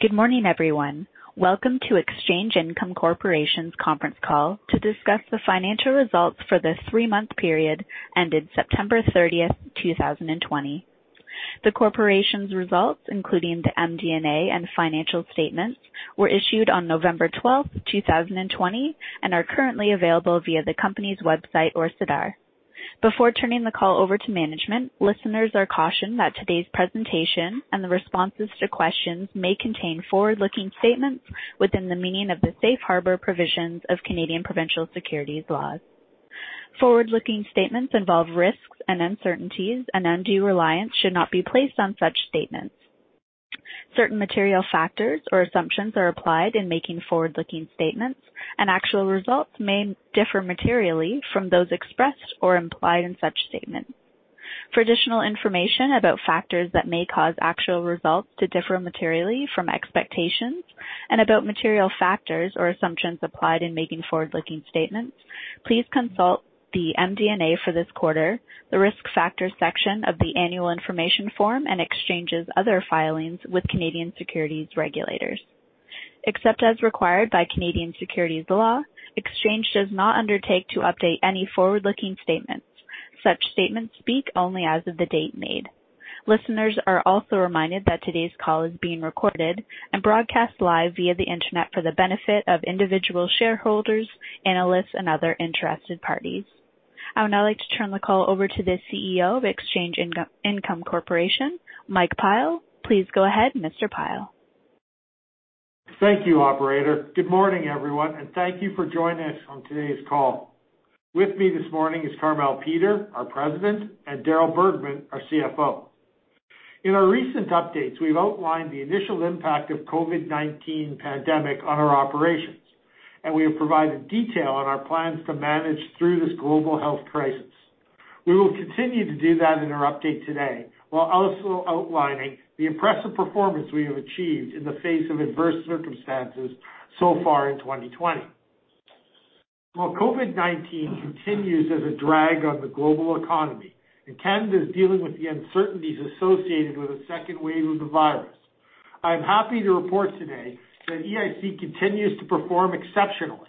Good morning, everyone. Welcome to Exchange Income Corporation's conference call to discuss the financial results for the three-month period ended September 30th, 2020. The corporation's results, including the MD&A and financial statements, were issued on November 12th, 2020, and are currently available via the company's website or SEDAR. Before turning the call over to management, listeners are cautioned that today's presentation and the responses to questions may contain forward-looking statements within the meaning of the safe harbor provisions of Canadian provincial securities laws. Forward-looking statements involve risks and uncertainties, and undue reliance should not be placed on such statements. Certain material factors or assumptions are applied in making forward-looking statements, and actual results may differ materially from those expressed or implied in such statements. For additional information about factors that may cause actual results to differ materially from expectations and about material factors or assumptions applied in making forward-looking statements, please consult the MD&A for this quarter, the Risk Factors section of the annual information form, and Exchange's other filings with Canadian securities regulators. Except as required by Canadian securities law, Exchange does not undertake to update any forward-looking statements. Such statements speak only as of the date made. Listeners are also reminded that today's call is being recorded and broadcast live via the internet for the benefit of individual shareholders, analysts, and other interested parties. I would now like to turn the call over to the CEO of Exchange Income Corporation, Mike Pyle. Please go ahead, Mr. Pyle. Thank you, operator. Good morning, everyone, and thank you for joining us on today's call. With me this morning is Carmele Peter, our President, and Darryl Bergman, our CFO. In our recent updates, we've outlined the initial impact of COVID-19 pandemic on our operations, and we have provided detail on our plans to manage through this global health crisis. We will continue to do that in our update today, while also outlining the impressive performance we have achieved in the face of adverse circumstances so far in 2020. While COVID-19 continues as a drag on the global economy and Canada is dealing with the uncertainties associated with a second wave of the virus, I am happy to report today that EIC continues to perform exceptionally.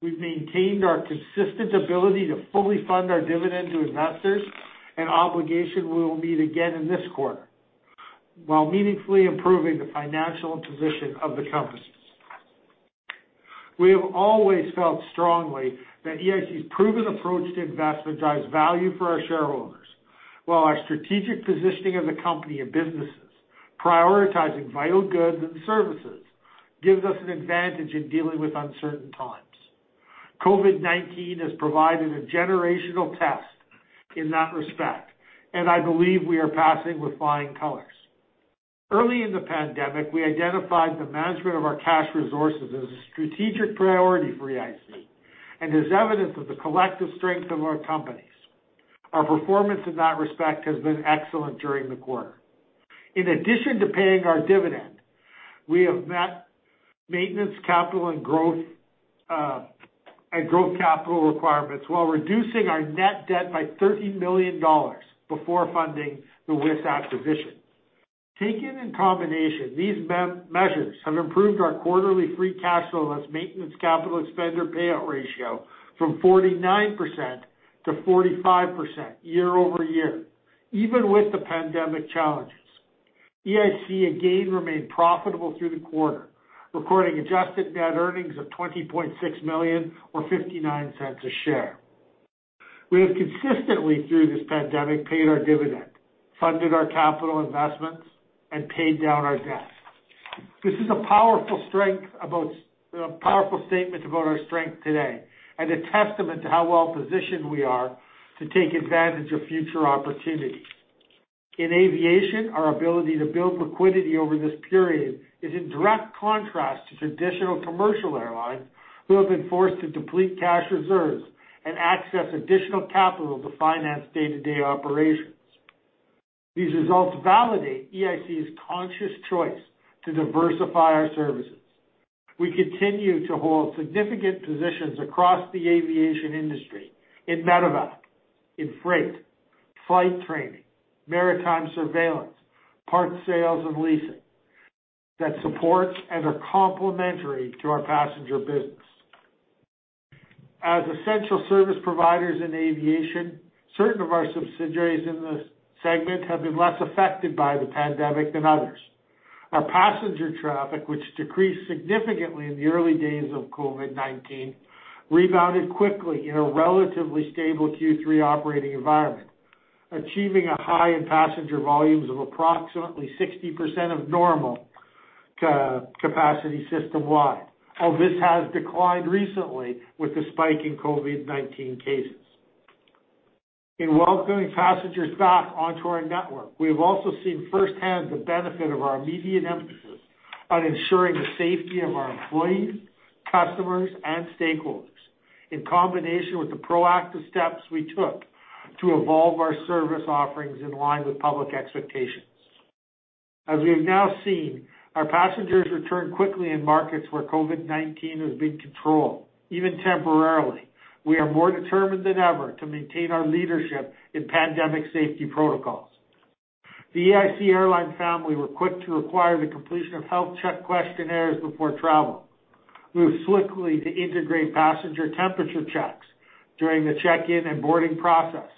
We've maintained our consistent ability to fully fund our dividend to investors, an obligation we will meet again in this quarter, while meaningfully improving the financial position of the companies. We have always felt strongly that EIC's proven approach to investment drives value for our shareholders, while our strategic positioning of the company and businesses, prioritizing vital goods and services, gives us an advantage in dealing with uncertain times. COVID-19 has provided a generational test in that respect, and I believe we are passing with flying colors. Early in the pandemic, we identified the management of our cash resources as a strategic priority for EIC and as evidence of the collective strength of our companies. Our performance in that respect has been excellent during the quarter. In addition to paying our dividend, we have met maintenance capital and growth capital requirements while reducing our net debt by 30 million dollars before funding the WIS acquisition. Taken in combination, these measures have improved our quarterly free cash flow, less maintenance capital expenditure payout ratio from 49% to 45% year-over-year, even with the pandemic challenges. EIC again remained profitable through the quarter, recording adjusted net earnings of 20.6 million or 0.59 a share. We have consistently through this pandemic, paid our dividend, funded our capital investments, and paid down our debt. This is a powerful statement about our strength today and a testament to how well-positioned we are to take advantage of future opportunities. In aviation, our ability to build liquidity over this period is in direct contrast to traditional commercial airlines who have been forced to deplete cash reserves and access additional capital to finance day-to-day operations. These results validate EIC's conscious choice to diversify our services. We continue to hold significant positions across the aviation industry in medevac, in freight, flight training, maritime surveillance, parts sales, and leasing that support and are complementary to our passenger business. As essential service providers in aviation, certain of our subsidiaries in this segment have been less affected by the pandemic than others. Our passenger traffic, which decreased significantly in the early days of COVID-19, rebounded quickly in a relatively stable Q3 operating environment, achieving a high in passenger volumes of approximately 60% of normal capacity system-wide, although this has declined recently with the spike in COVID-19 cases. In welcoming passengers back onto our network, we have also seen firsthand the benefit of our immediate emphasis on ensuring the safety of our employees, customers, and stakeholders in combination with the proactive steps we took to evolve our service offerings in line with public expectations. As we have now seen, our passengers return quickly in markets where COVID-19 has been controlled, even temporarily. We are more determined than ever to maintain our leadership in pandemic safety protocols. The EIC Airline family were quick to require the completion of health check questionnaires before travel, moved swiftly to integrate passenger temperature checks during the check-in and boarding process,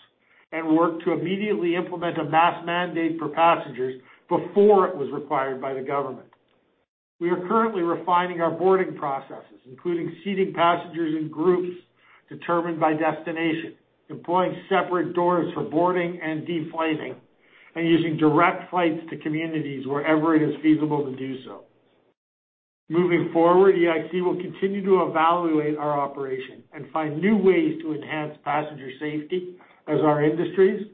and worked to immediately implement a mask mandate for passengers before it was required by the government. We are currently refining our boarding processes, including seating passengers in groups determined by destination, employing separate doors for boarding and deplaning, and using direct flights to communities wherever it is feasible to do so. Moving forward, EIC will continue to evaluate our operation and find new ways to enhance passenger safety as our industry's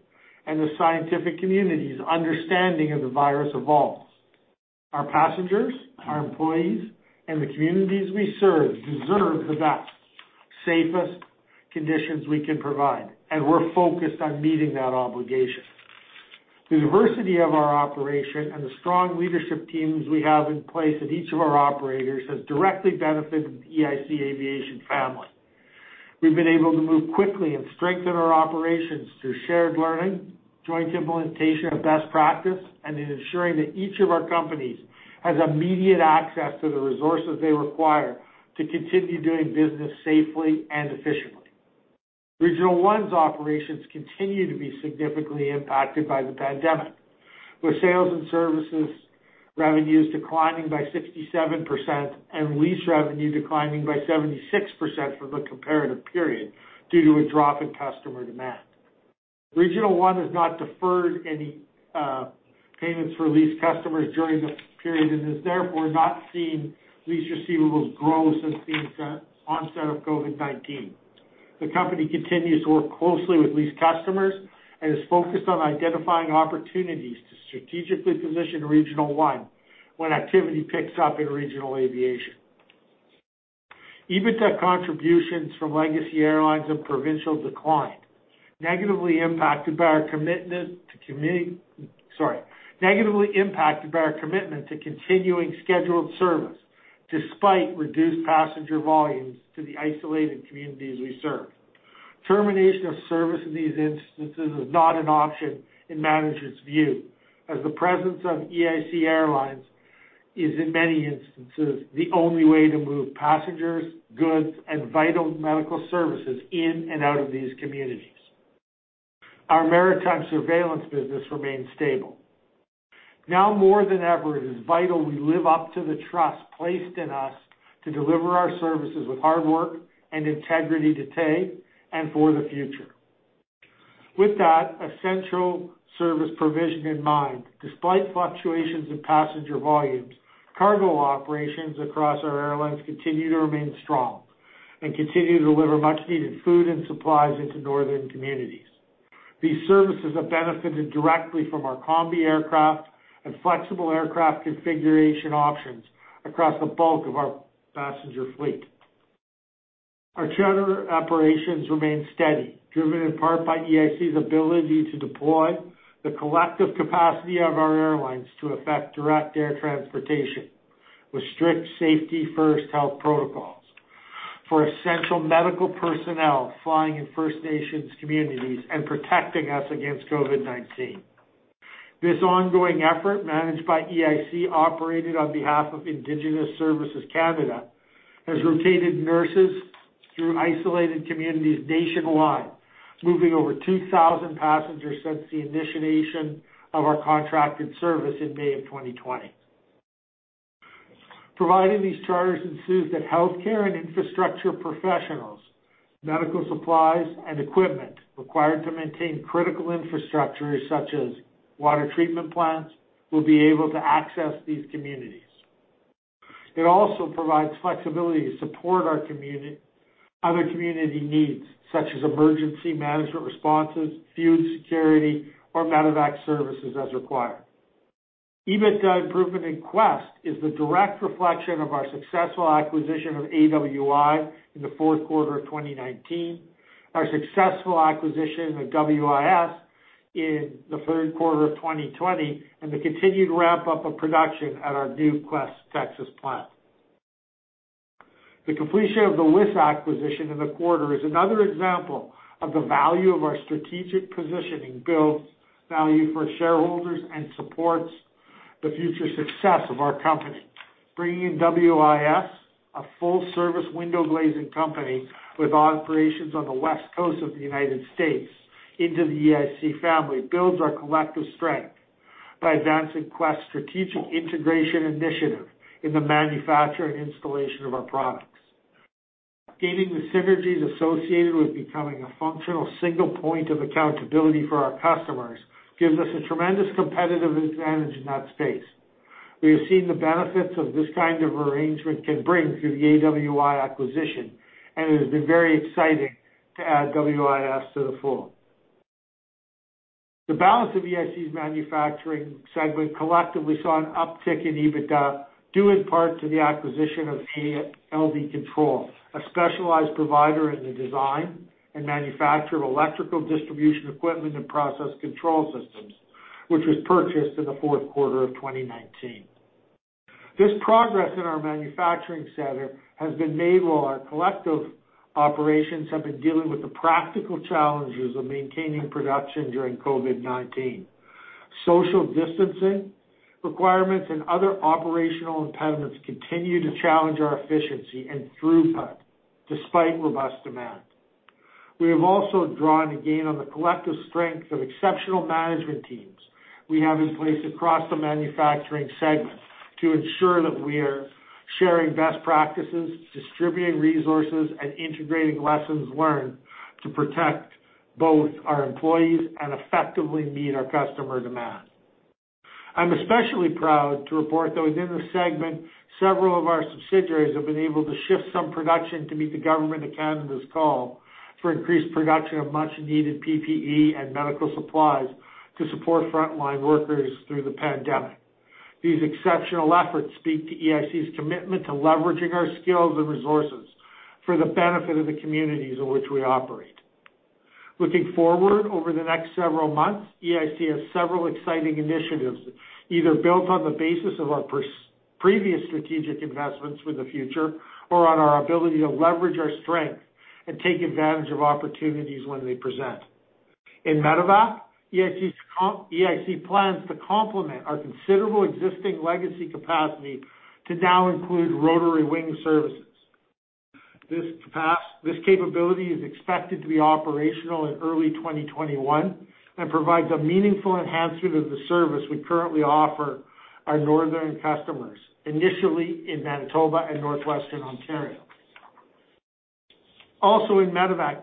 and the scientific community's understanding of the virus evolves. Our passengers, our employees, and the communities we serve deserve the best, safest conditions we can provide, and we're focused on meeting that obligation. The diversity of our operation and the strong leadership teams we have in place at each of our operators has directly benefited the EIC Aviation family. We've been able to move quickly and strengthen our operations through shared learning, joint implementation of best practice, and in ensuring that each of our companies has immediate access to the resources they require to continue doing business safely and efficiently. Regional One's operations continue to be significantly impacted by the pandemic, with sales and services revenues declining by 67% and lease revenue declining by 76% from the comparative period due to a drop in customer demand. Regional One has not deferred any payments for lease customers during the period and has therefore not seen lease receivables grow since the onset of COVID-19. The company continues to work closely with lease customers and is focused on identifying opportunities to strategically position Regional One when activity picks up in regional aviation. EBITDA contributions from Legacy Airlines and Provincial declined, negatively impacted by our commitment to continuing scheduled service despite reduced passenger volumes to the isolated communities we serve. Termination of service in these instances is not an option in management's view, as the presence of EIC Airlines is, in many instances, the only way to move passengers, goods, and vital medical services in and out of these communities. Our maritime surveillance business remains stable. Now more than ever, it is vital we live up to the trust placed in us to deliver our services with hard work and integrity today and for the future. With that essential service provision in mind, despite fluctuations in passenger volumes, cargo operations across our airlines continue to remain strong and continue to deliver much-needed food and supplies into northern communities. These services have benefited directly from our Combi aircraft and flexible aircraft configuration options across the bulk of our passenger fleet. Our charter operations remain steady, driven in part by EIC's ability to deploy the collective capacity of our airlines to effect direct air transportation with strict safety-first health protocols for essential medical personnel flying in First Nations communities and protecting us against COVID-19. This ongoing effort, managed by EIC, operated on behalf of Indigenous Services Canada, has rotated nurses through isolated communities nationwide, moving over 2,000 passengers since the initiation of our contracted service in May of 2020. Providing these charters ensures that healthcare and infrastructure professionals, medical supplies, and equipment required to maintain critical infrastructure, such as water treatment plants, will be able to access these communities. It also provides flexibility to support other community needs, such as emergency management responses, food security, or medevac services as required. EBITDA improvement in Quest is the direct reflection of our successful acquisition of AWI in the fourth quarter of 2019, our successful acquisition of WIS in the third quarter of 2020, and the continued ramp-up of production at our new Quest Texas plant. The completion of the WIS acquisition in the quarter is another example of the value of our strategic positioning builds value for shareholders and supports the future success of our company. Bringing in WIS, a full-service window glazing company with operations on the West Coast of the United States into the EIC family builds our collective strength by advancing Quest's strategic integration initiative in the manufacture and installation of our products. Gaining the synergies associated with becoming a functional single point of accountability for our customers gives us a tremendous competitive advantage in that space. We have seen the benefits of this kind of arrangement can bring through the AWI acquisition, and it has been very exciting to add WIS to the floor. The balance of EIC's manufacturing segment collectively saw an uptick in EBITDA, due in part to the acquisition of L.V. Control, a specialized provider in the design and manufacture of electrical distribution equipment and process control systems, which was purchased in the fourth quarter of 2019. This progress in our manufacturing center has been enabled while our collective operations have been dealing with the practical challenges of maintaining production during COVID-19. Social distancing requirements and other operational impediments continue to challenge our efficiency and throughput despite robust demand. We have also drawn again on the collective strength of exceptional management teams we have in place across the manufacturing segment to ensure that we are sharing best practices, distributing resources, and integrating lessons learned to protect both our employees and effectively meet our customer demand. I'm especially proud to report that within the segment, several of our subsidiaries have been able to shift some production to meet the Government of Canada's call for increased production of much-needed PPE and medical supplies to support frontline workers through the pandemic. These exceptional efforts speak to EIC's commitment to leveraging our skills and resources for the benefit of the communities in which we operate. Looking forward over the next several months, EIC has several exciting initiatives, either built on the basis of our previous strategic investments for the future or on our ability to leverage our strength and take advantage of opportunities when they present. In Medevac, EIC plans to complement our considerable existing legacy capacity to now include rotary wing services. This capability is expected to be operational in early 2021 and provides a meaningful enhancement of the service we currently offer our northern customers, initially in Manitoba and northwestern Ontario. Also in Medevac,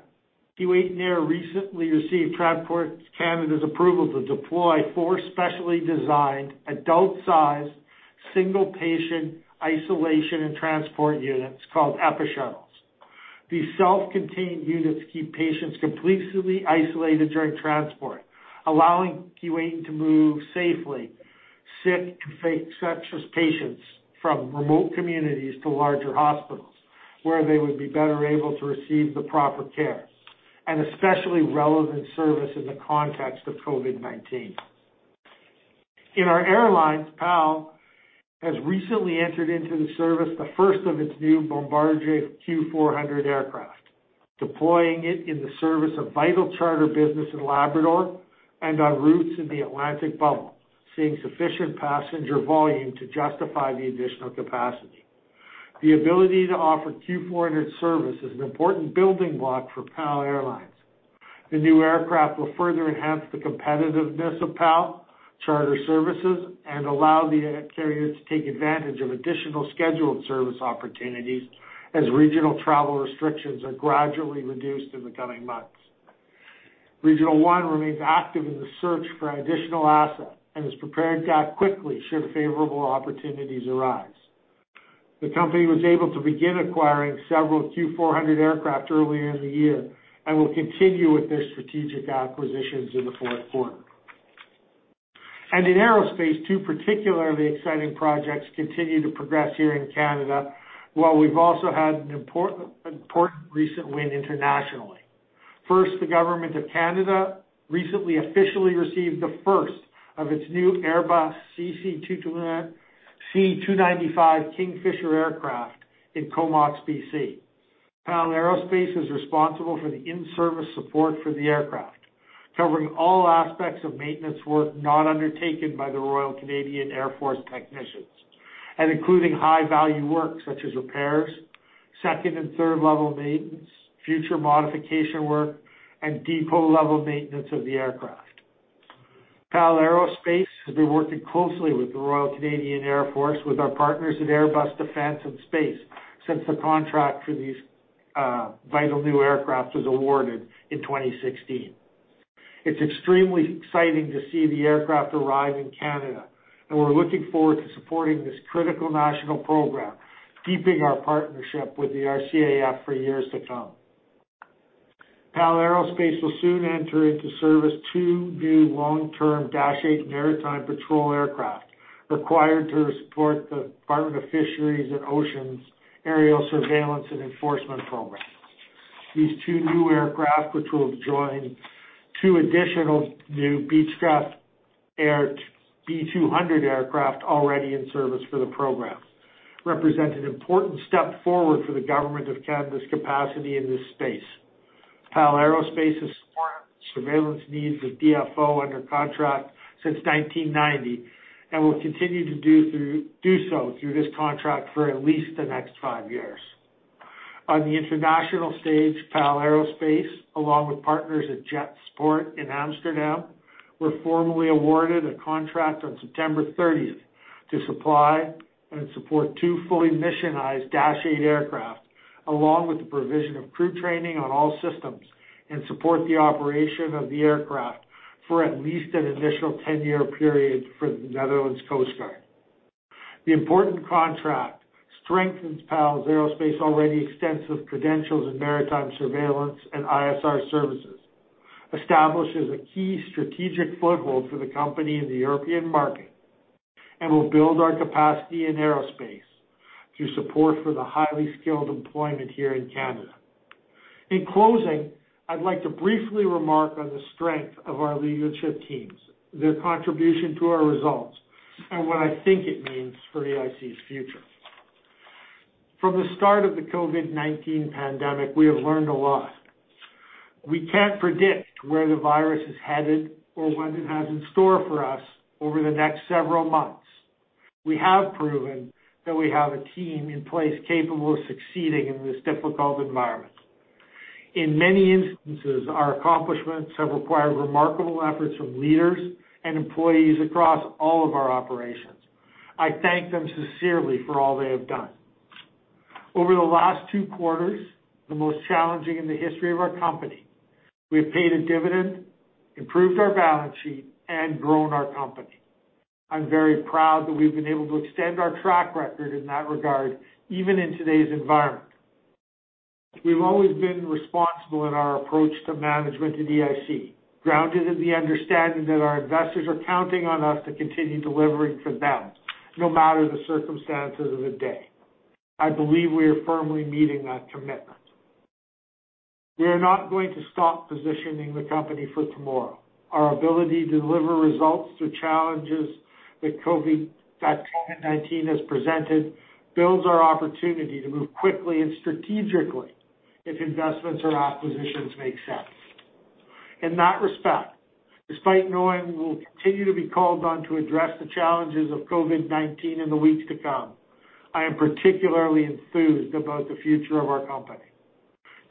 Keewatin Air recently received Transport Canada's approval to deploy four specially designed adult-sized single patient isolation and transport units called EpiShuttles. These self-contained units keep patients completely isolated during transport, allowing EpiShuttle to move safely sick and infectious patients from remote communities to larger hospitals where they would be better able to receive the proper care, an especially relevant service in the context of COVID-19. In our airlines, PAL has recently entered into the service the first of its new Bombardier Q400 aircraft, deploying it in the service of vital charter business in Labrador and on routes in the Atlantic Bubble, seeing sufficient passenger volume to justify the additional capacity. The ability to offer Q400 service is an important building block for PAL Airlines. The new aircraft will further enhance the competitiveness of PAL charter services and allow the air carrier to take advantage of additional scheduled service opportunities as regional travel restrictions are gradually reduced in the coming months. Regional One remains active in the search for an additional asset and is prepared to act quickly should favorable opportunities arise. The company was able to begin acquiring several Q400 aircraft earlier in the year and will continue with their strategic acquisitions in the fourth quarter. In aerospace, two particularly exciting projects continue to progress here in Canada while we've also had an important recent win internationally. First, the Government of Canada recently officially received the first of its new Airbus CC-295 Kingfisher aircraft in Comox, B.C. PAL Aerospace is responsible for the in-service support for the aircraft, covering all aspects of maintenance work not undertaken by the Royal Canadian Air Force technicians and including high-value work such as repairs, second and third-level maintenance, future modification work, and depot-level maintenance of the aircraft. PAL Aerospace has been working closely with the Royal Canadian Air Force with our partners at Airbus Defence and Space since the contract for these vital new aircraft was awarded in 2016. It's extremely exciting to see the aircraft arrive in Canada, and we're looking forward to supporting this critical national program, keeping our partnership with the RCAF for years to come. PAL Aerospace will soon enter into service two new long-term Dash 8 maritime patrol aircraft required to support the Department of Fisheries and Oceans' aerial surveillance and enforcement program. These two new aircraft, which will join two additional new Beechcraft B200 aircraft already in service for the program, represent an important step forward for the Government of Canada's capacity in this space. PAL Aerospace has supported the surveillance needs of DFO under contract since 1990 and will continue to do so through this contract for at least the next five years. On the international stage, PAL Aerospace, along with partners at JetSupport in Amsterdam, were formally awarded a contract on September 30th to supply and support two fully missionized Dash 8 aircraft, along with the provision of crew training on all systems and support the operation of the aircraft for at least an initial 10-year period for the Netherlands Coastguard. The important contract strengthens PAL Aerospace's already extensive credentials in maritime surveillance and ISR services, establishes a key strategic foothold for the company in the European market and will build our capacity in aerospace through support for the highly skilled employment here in Canada. In closing, I'd like to briefly remark on the strength of our leadership teams, their contribution to our results, and what I think it means for EIC's future. From the start of the COVID-19 pandemic, we have learned a lot. We can't predict where the virus is headed or what it has in store for us over the next several months. We have proven that we have a team in place capable of succeeding in this difficult environment. In many instances, our accomplishments have required remarkable efforts from leaders and employees across all of our operations. I thank them sincerely for all they have done. Over the last two quarters, the most challenging in the history of our company, we have paid a dividend, improved our balance sheet, and grown our company. I'm very proud that we've been able to extend our track record in that regard, even in today's environment. We've always been responsible in our approach to management at EIC, grounded in the understanding that our investors are counting on us to continue delivering for them, no matter the circumstances of the day. I believe we are firmly meeting that commitment. We are not going to stop positioning the company for tomorrow. Our ability to deliver results through challenges that COVID-19 has presented builds our opportunity to move quickly and strategically if investments or acquisitions make sense. In that respect, despite knowing we will continue to be called on to address the challenges of COVID-19 in the weeks to come, I am particularly enthused about the future of our company.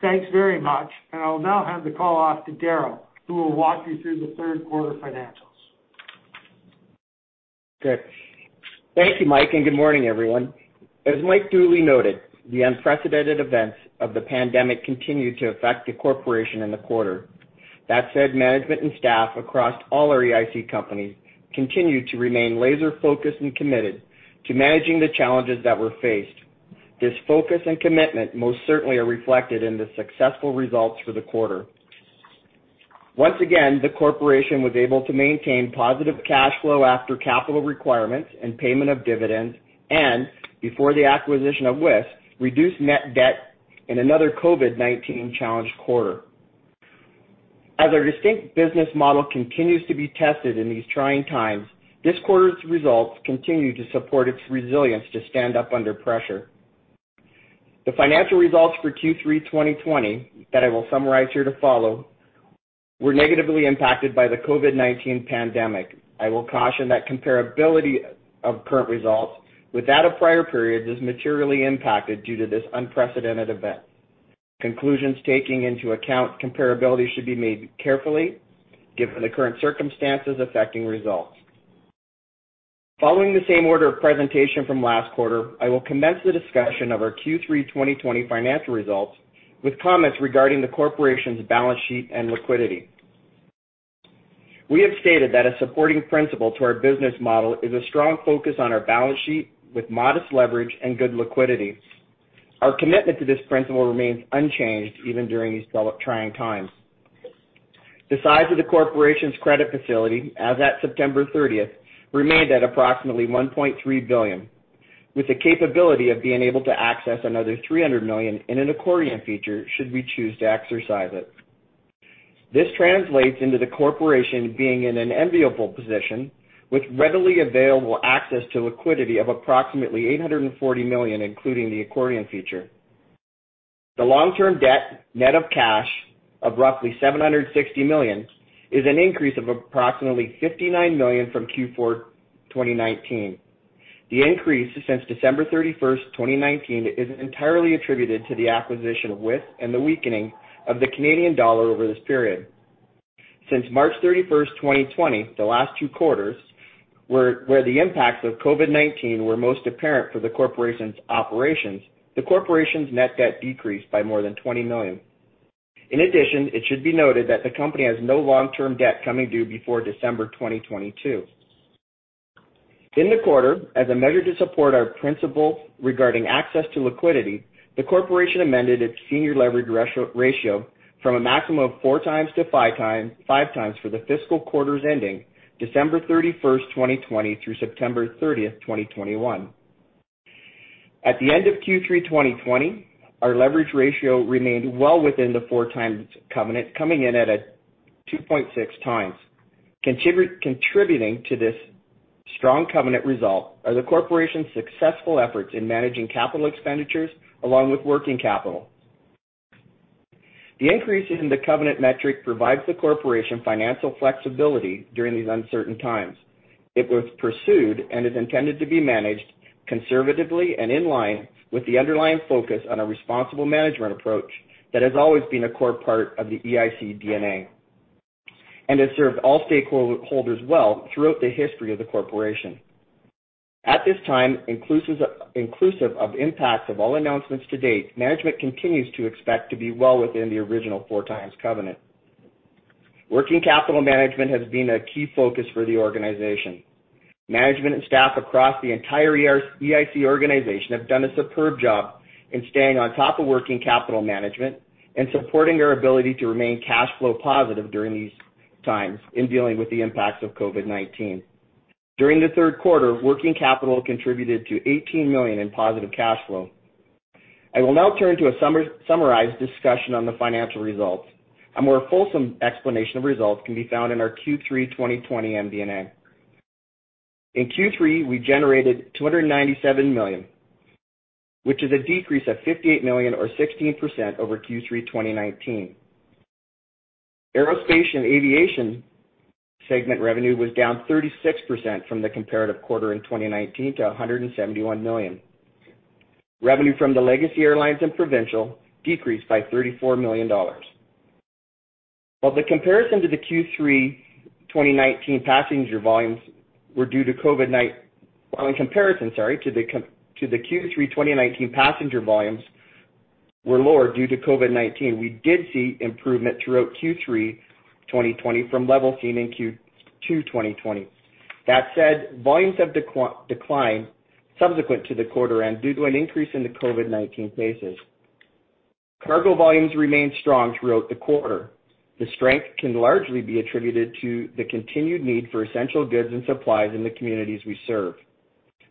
Thanks very much, and I'll now hand the call off to Darryl, who will walk you through the third quarter financials. Good. Thank you, Mike, good morning, everyone. As Mike duly noted, the unprecedented events of the pandemic continued to affect the corporation in the quarter. That said, management and staff across all our EIC companies continued to remain laser-focused and committed to managing the challenges that were faced. This focus and commitment most certainly are reflected in the successful results for the quarter. Once again, the corporation was able to maintain positive cash flow after capital requirements and payment of dividends, and before the acquisition of WIS, reduced net debt in another COVID-19 challenged quarter. As our distinct business model continues to be tested in these trying times, this quarter's results continue to support its resilience to stand up under pressure. The financial results for Q3 2020, that I will summarize here to follow, were negatively impacted by the COVID-19 pandemic. I will caution that comparability of current results without a prior period is materially impacted due to this unprecedented event. Conclusions taking into account comparability should be made carefully given the current circumstances affecting results. Following the same order of presentation from last quarter, I will commence the discussion of our Q3 2020 financial results with comments regarding the corporation's balance sheet and liquidity. We have stated that a supporting principle to our business model is a strong focus on our balance sheet with modest leverage and good liquidity. Our commitment to this principle remains unchanged even during these trying times. The size of the corporation's credit facility as at September 30th remained at approximately 1.3 billion, with the capability of being able to access another 300 million in an accordion feature should we choose to exercise it. This translates into the Corporation being in an enviable position with readily available access to liquidity of approximately 840 million, including the accordion feature. The long-term debt net of cash of roughly 760 million is an increase of approximately 59 million from Q4 2019. The increase since December 31st, 2019, is entirely attributed to the acquisition of WIS and the weakening of the Canadian dollar over this period. Since March 31st, 2020, the last two quarters, where the impacts of COVID-19 were most apparent for the Corporation's operations, the Corporation's net debt decreased by more than 20 million. It should be noted that the Company has no long-term debt coming due before December 2022. In the quarter, as a measure to support our principle regarding access to liquidity, the corporation amended its senior leverage ratio from a maximum of 4x to 5x for the fiscal quarters ending December 31st, 2020, through September 30th, 2021. At the end of Q3 2020, our leverage ratio remained well within the 4x covenant, coming in at a 2.6x. Contributing to this strong covenant result are the corporation's successful efforts in managing capital expenditures along with working capital. The increase in the covenant metric provides the corporation financial flexibility during these uncertain times. It was pursued and is intended to be managed conservatively and in line with the underlying focus on a responsible management approach that has always been a core part of the EIC DNA and has served all stakeholders well throughout the history of the corporation. At this time, inclusive of impacts of all announcements to date, management continues to expect to be well within the original 4x covenant. Working capital management has been a key focus for the organization. Management and staff across the entire EIC organization have done a superb job in staying on top of working capital management and supporting our ability to remain cash flow positive during these times in dealing with the impacts of COVID-19. During the third quarter, working capital contributed to 18 million in positive cash flow. I will now turn to a summarized discussion on the financial results. A more fulsome explanation of results can be found in our Q3 2020 MD&A. In Q3, we generated 297 million, which is a decrease of 58 million or 16% over Q3 2019. Aerospace and Aviation segment revenue was down 36% from the comparative quarter in 2019 to 171 million. Revenue from the Legacy Airlines and Provincial decreased by 34 million. While in comparison to the Q3 2019 passenger volumes were lower due to COVID-19, we did see improvement throughout Q3 2020 from levels seen in Q2 2020. That said, volumes have declined subsequent to the quarter end due to an increase in the COVID-19 cases. Cargo volumes remained strong throughout the quarter. The strength can largely be attributed to the continued need for essential goods and supplies in the communities we serve.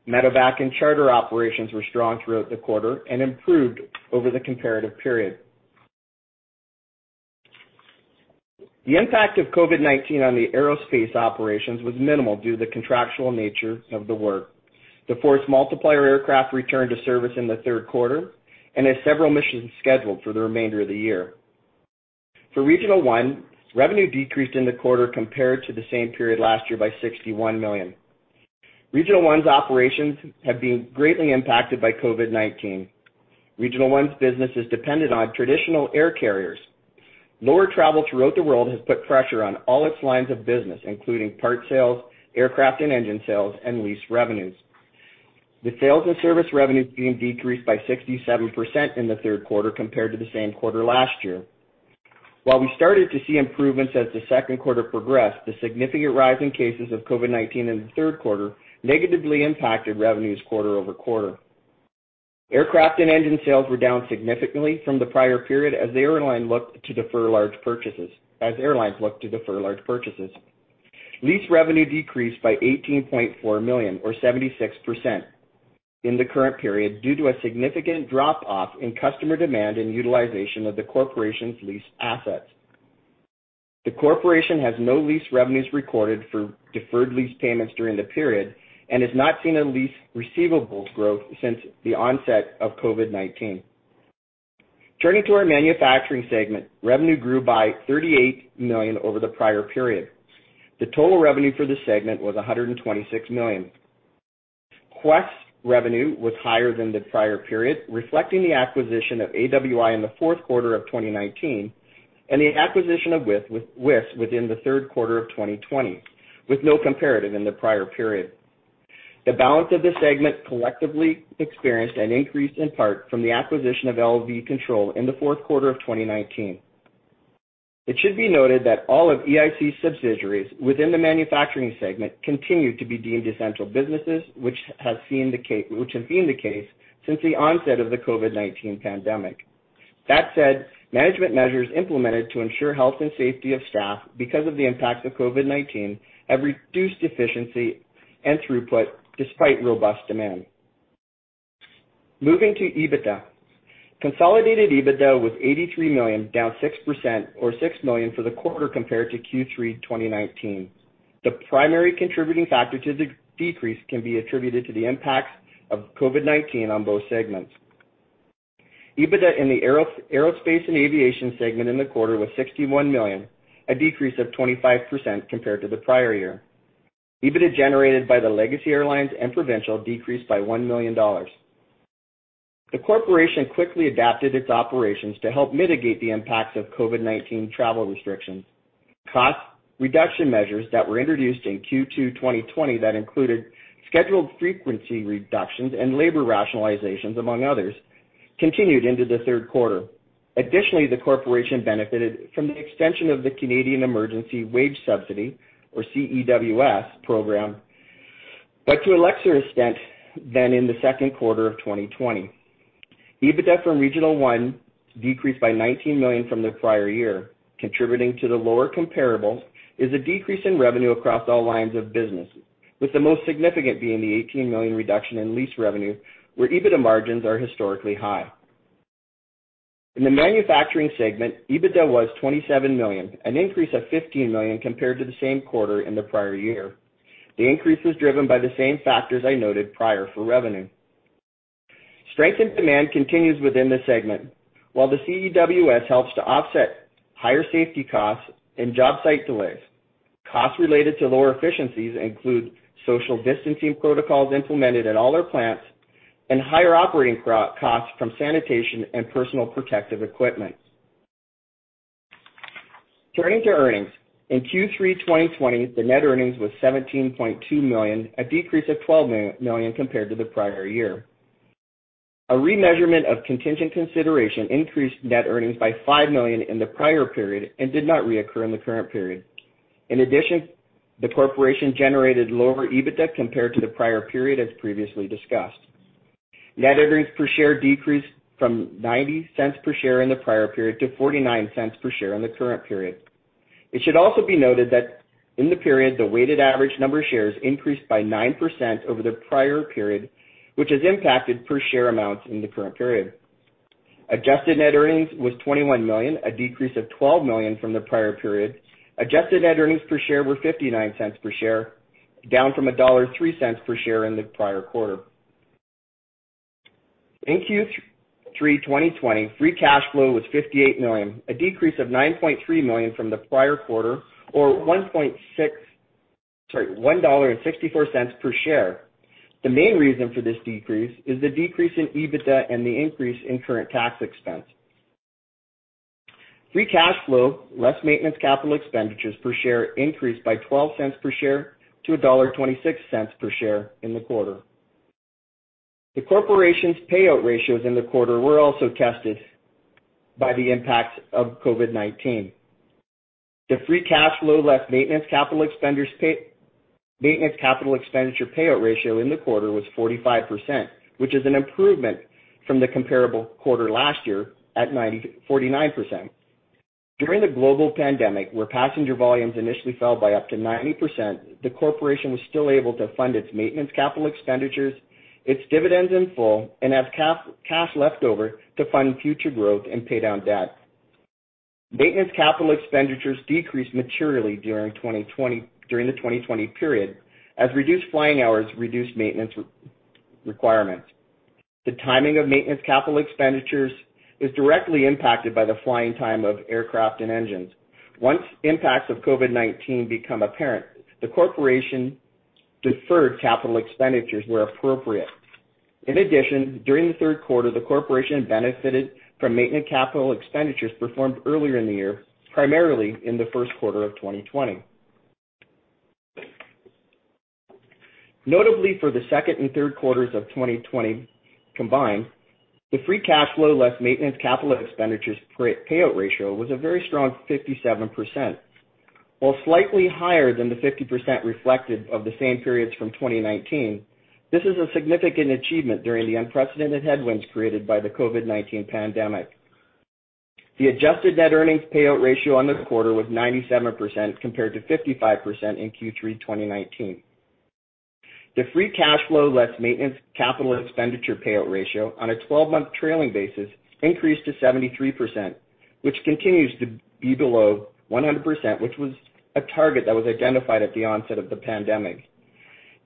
MEDEVAC and charter operations were strong throughout the quarter and improved over the comparative period. The impact of COVID-19 on the aerospace operations was minimal due to the contractual nature of the work. The force multiplier aircraft returned to service in the third quarter and has several missions scheduled for the remainder of the year. For Regional One, revenue decreased in the quarter compared to the same period last year by 61 million. Regional One's operations have been greatly impacted by COVID-19. Regional One's business is dependent on traditional air carriers. Lower travel throughout the world has put pressure on all its lines of business, including part sales, aircraft and engine sales, and lease revenues. The sales and service revenues being decreased by 67% in the third quarter compared to the same quarter last year. While we started to see improvements as the second quarter progressed, the significant rise in cases of COVID-19 in the third quarter negatively impacted revenues quarter-over-quarter. Aircraft and engine sales were down significantly from the prior period as airlines looked to defer large purchases. Lease revenue decreased by 18.4 million or 76% in the current period due to a significant drop-off in customer demand and utilization of the corporation's lease assets. The corporation has no lease revenues recorded for deferred lease payments during the period and has not seen a lease receivable growth since the onset of COVID-19. Turning to our manufacturing segment, revenue grew by 38 million over the prior period. The total revenue for the segment was 126 million. Quest revenue was higher than the prior period, reflecting the acquisition of AWI in the fourth quarter of 2019 and the acquisition of WIS within the third quarter of 2020, with no comparative in the prior period. The balance of the segment collectively experienced an increase in part from the acquisition of LV Control in the fourth quarter of 2019. It should be noted that all of EIC subsidiaries within the manufacturing segment continue to be deemed essential businesses, which have been the case since the onset of the COVID-19 pandemic. Management measures implemented to ensure health and safety of staff because of the impact of COVID-19 have reduced efficiency and throughput despite robust demand. Moving to EBITDA. Consolidated EBITDA was 83 million, down 6% or 6 million for the quarter compared to Q3 2019. The primary contributing factor to the decrease can be attributed to the impacts of COVID-19 on both segments. EBITDA in the Aerospace and Aviation segment in the quarter was 61 million, a decrease of 25% compared to the prior year. EBITDA generated by the Legacy Airlines and Provincial decreased by 1 million dollars. The corporation quickly adapted its operations to help mitigate the impacts of COVID-19 travel restrictions. Cost reduction measures that were introduced in Q2 2020 that included scheduled frequency reductions and labor rationalizations, among others, continued into the third quarter. Additionally, the corporation benefited from the extension of the Canada Emergency Wage Subsidy, or CEWS program, but to a lesser extent than in the second quarter of 2020. EBITDA from Regional One decreased by 19 million from the prior year. Contributing to the lower comparable is a decrease in revenue across all lines of business, with the most significant being the 18 million reduction in lease revenue, where EBITDA margins are historically high. In the manufacturing segment, EBITDA was 27 million, an increase of 15 million compared to the same quarter in the prior year. The increase was driven by the same factors I noted prior for revenue. Strength in demand continues within the segment. While the CEWS helps to offset higher safety costs and job site delays, costs related to lower efficiencies include social distancing protocols implemented at all our plants and higher operating costs from sanitation and personal protective equipment. Turning to earnings. In Q3 2020, the net earnings was 17.2 million, a decrease of 12 million compared to the prior year. A remeasurement of contingent consideration increased net earnings by 5 million in the prior period and did not reoccur in the current period. In addition, the corporation generated lower EBITDA compared to the prior period, as previously discussed. Net earnings per share decreased from 0.90 per share in the prior period to 0.49 per share in the current period. It should also be noted that in the period, the weighted average number of shares increased by 9% over the prior period, which has impacted per share amounts in the current period. Adjusted net earnings was 21 million, a decrease of 12 million from the prior period. Adjusted net earnings per share were 0.59 per share, down from dollar 1.03 per share in the prior quarter. In Q3 2020, free cash flow was 58 million, a decrease of 9.3 million from the prior quarter, or 1.64 dollar per share. The main reason for this decrease is the decrease in EBITDA and the increase in current tax expense. Free cash flow, less maintenance capital expenditures per share increased by 0.12 per share to dollar 1.26 per share in the quarter. The corporation's payout ratios in the quarter were also tested by the impact of COVID-19. The free cash flow less maintenance capital expenditure payout ratio in the quarter was 45%, which is an improvement from the comparable quarter last year at 49%. During the global pandemic, where passenger volumes initially fell by up to 90%, the corporation was still able to fund its maintenance capital expenditures, its dividends in full, and have cash left over to fund future growth and pay down debt. Maintenance capital expenditures decreased materially during the 2020 period, as reduced flying hours reduced maintenance requirements. The timing of maintenance capital expenditures is directly impacted by the flying time of aircraft and engines. Once impacts of COVID-19 become apparent, the corporation deferred capital expenditures where appropriate. In addition, during the third quarter, the corporation benefited from maintenance capital expenditures performed earlier in the year, primarily in the first quarter of 2020. Notably, for the second and third quarters of 2020 combined, the free cash flow less maintenance capital expenditures payout ratio was a very strong 57%. Slightly higher than the 50% reflective of the same periods from 2019, this is a significant achievement during the unprecedented headwinds created by the COVID-19 pandemic. The adjusted net earnings payout ratio on the quarter was 97%, compared to 55% in Q3 2019. The free cash flow less maintenance capital expenditure payout ratio on a 12-month trailing basis increased to 73%, which continues to be below 100%, which was a target that was identified at the onset of the pandemic.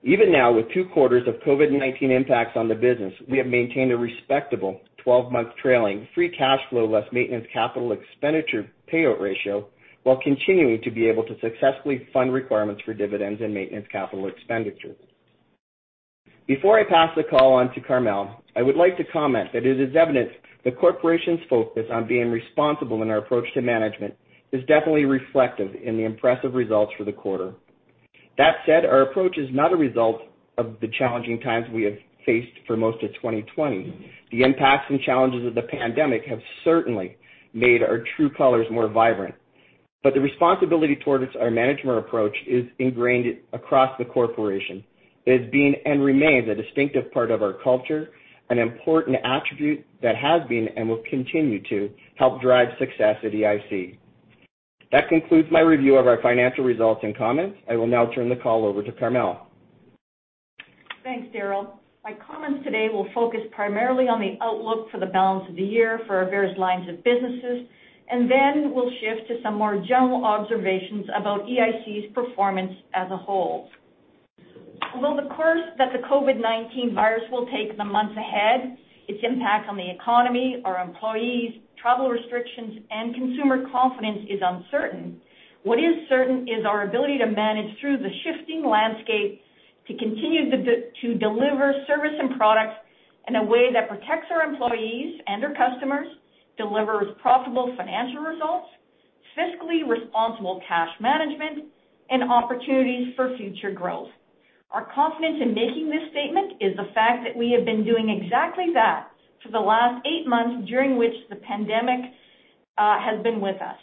Even now, with two quarters of COVID-19 impacts on the business, we have maintained a respectable 12-month trailing free cash flow less maintenance capital expenditure payout ratio while continuing to be able to successfully fund requirements for dividends and maintenance capital expenditure. Before I pass the call on to Carmele, I would like to comment that it is evident the corporation's focus on being responsible in our approach to management is definitely reflective in the impressive results for the quarter. That said, our approach is not a result of the challenging times we have faced for most of 2020. The impacts and challenges of the pandemic have certainly made our true colors more vibrant, but the responsibility towards our management approach is ingrained across the corporation. It has been and remains a distinctive part of our culture, an important attribute that has been, and will continue to help drive success at EIC. That concludes my review of our financial results and comments. I will now turn the call over to Carmele. Thanks, Darryl. My comments today will focus primarily on the outlook for the balance of the year for our various lines of businesses, and then we'll shift to some more general observations about EIC's performance as a whole. While the course that the COVID-19 virus will take the months ahead, its impact on the economy, our employees, travel restrictions, and consumer confidence is uncertain, what is certain is our ability to manage through the shifting landscape to continue to deliver service and products in a way that protects our employees and our customers, delivers profitable financial results, fiscally responsible cash management, and opportunities for future growth. Our confidence in making this statement is the fact that we have been doing exactly that for the last eight months during which the pandemic has been with us.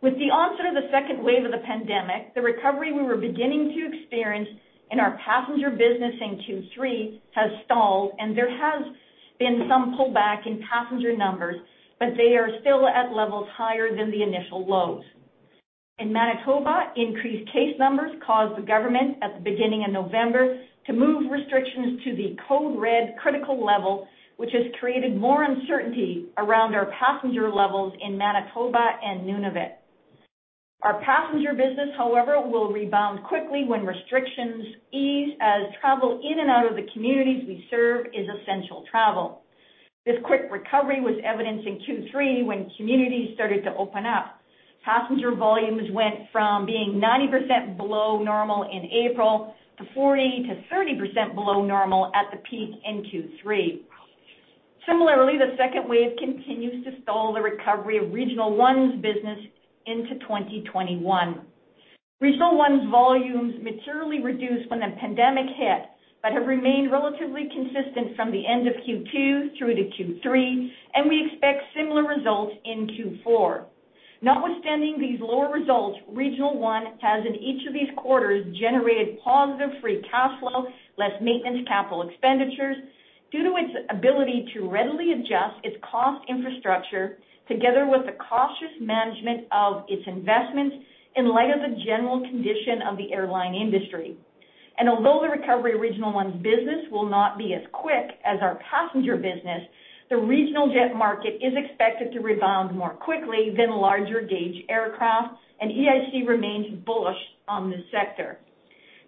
With the onset of the second wave of the pandemic, the recovery we were beginning to experience in our passenger business in Q3 has stalled and there has been some pullback in passenger numbers, but they are still at levels higher than the initial lows. In Manitoba, increased case numbers caused the government at the beginning of November to move restrictions to the code red critical level, which has created more uncertainty around our passenger levels in Manitoba and Nunavut. Our passenger business, however, will rebound quickly when restrictions ease as travel in and out of the communities we serve is essential travel. This quick recovery was evidenced in Q3 when communities started to open up. Passenger volumes went from being 90% below normal in April to 40%-30% below normal at the peak in Q3. Similarly, the second wave continues to stall the recovery of Regional One's business into 2021. Regional One's volumes materially reduced when the pandemic hit but have remained relatively consistent from the end of Q2 through to Q3, we expect similar results in Q4. Not with standing these lower results, Regional One has in each of these quarters generated positive free cash flow, less maintenance capital expenditures, due to its ability to readily adjust its cost infrastructure together with the cautious management of its investments in light of the general condition of the airline industry. Although the recovery of Regional One business will not be as quick as our passenger business, the regional jet market is expected to rebound more quickly than larger gauge aircraft, EIC remains bullish on this sector.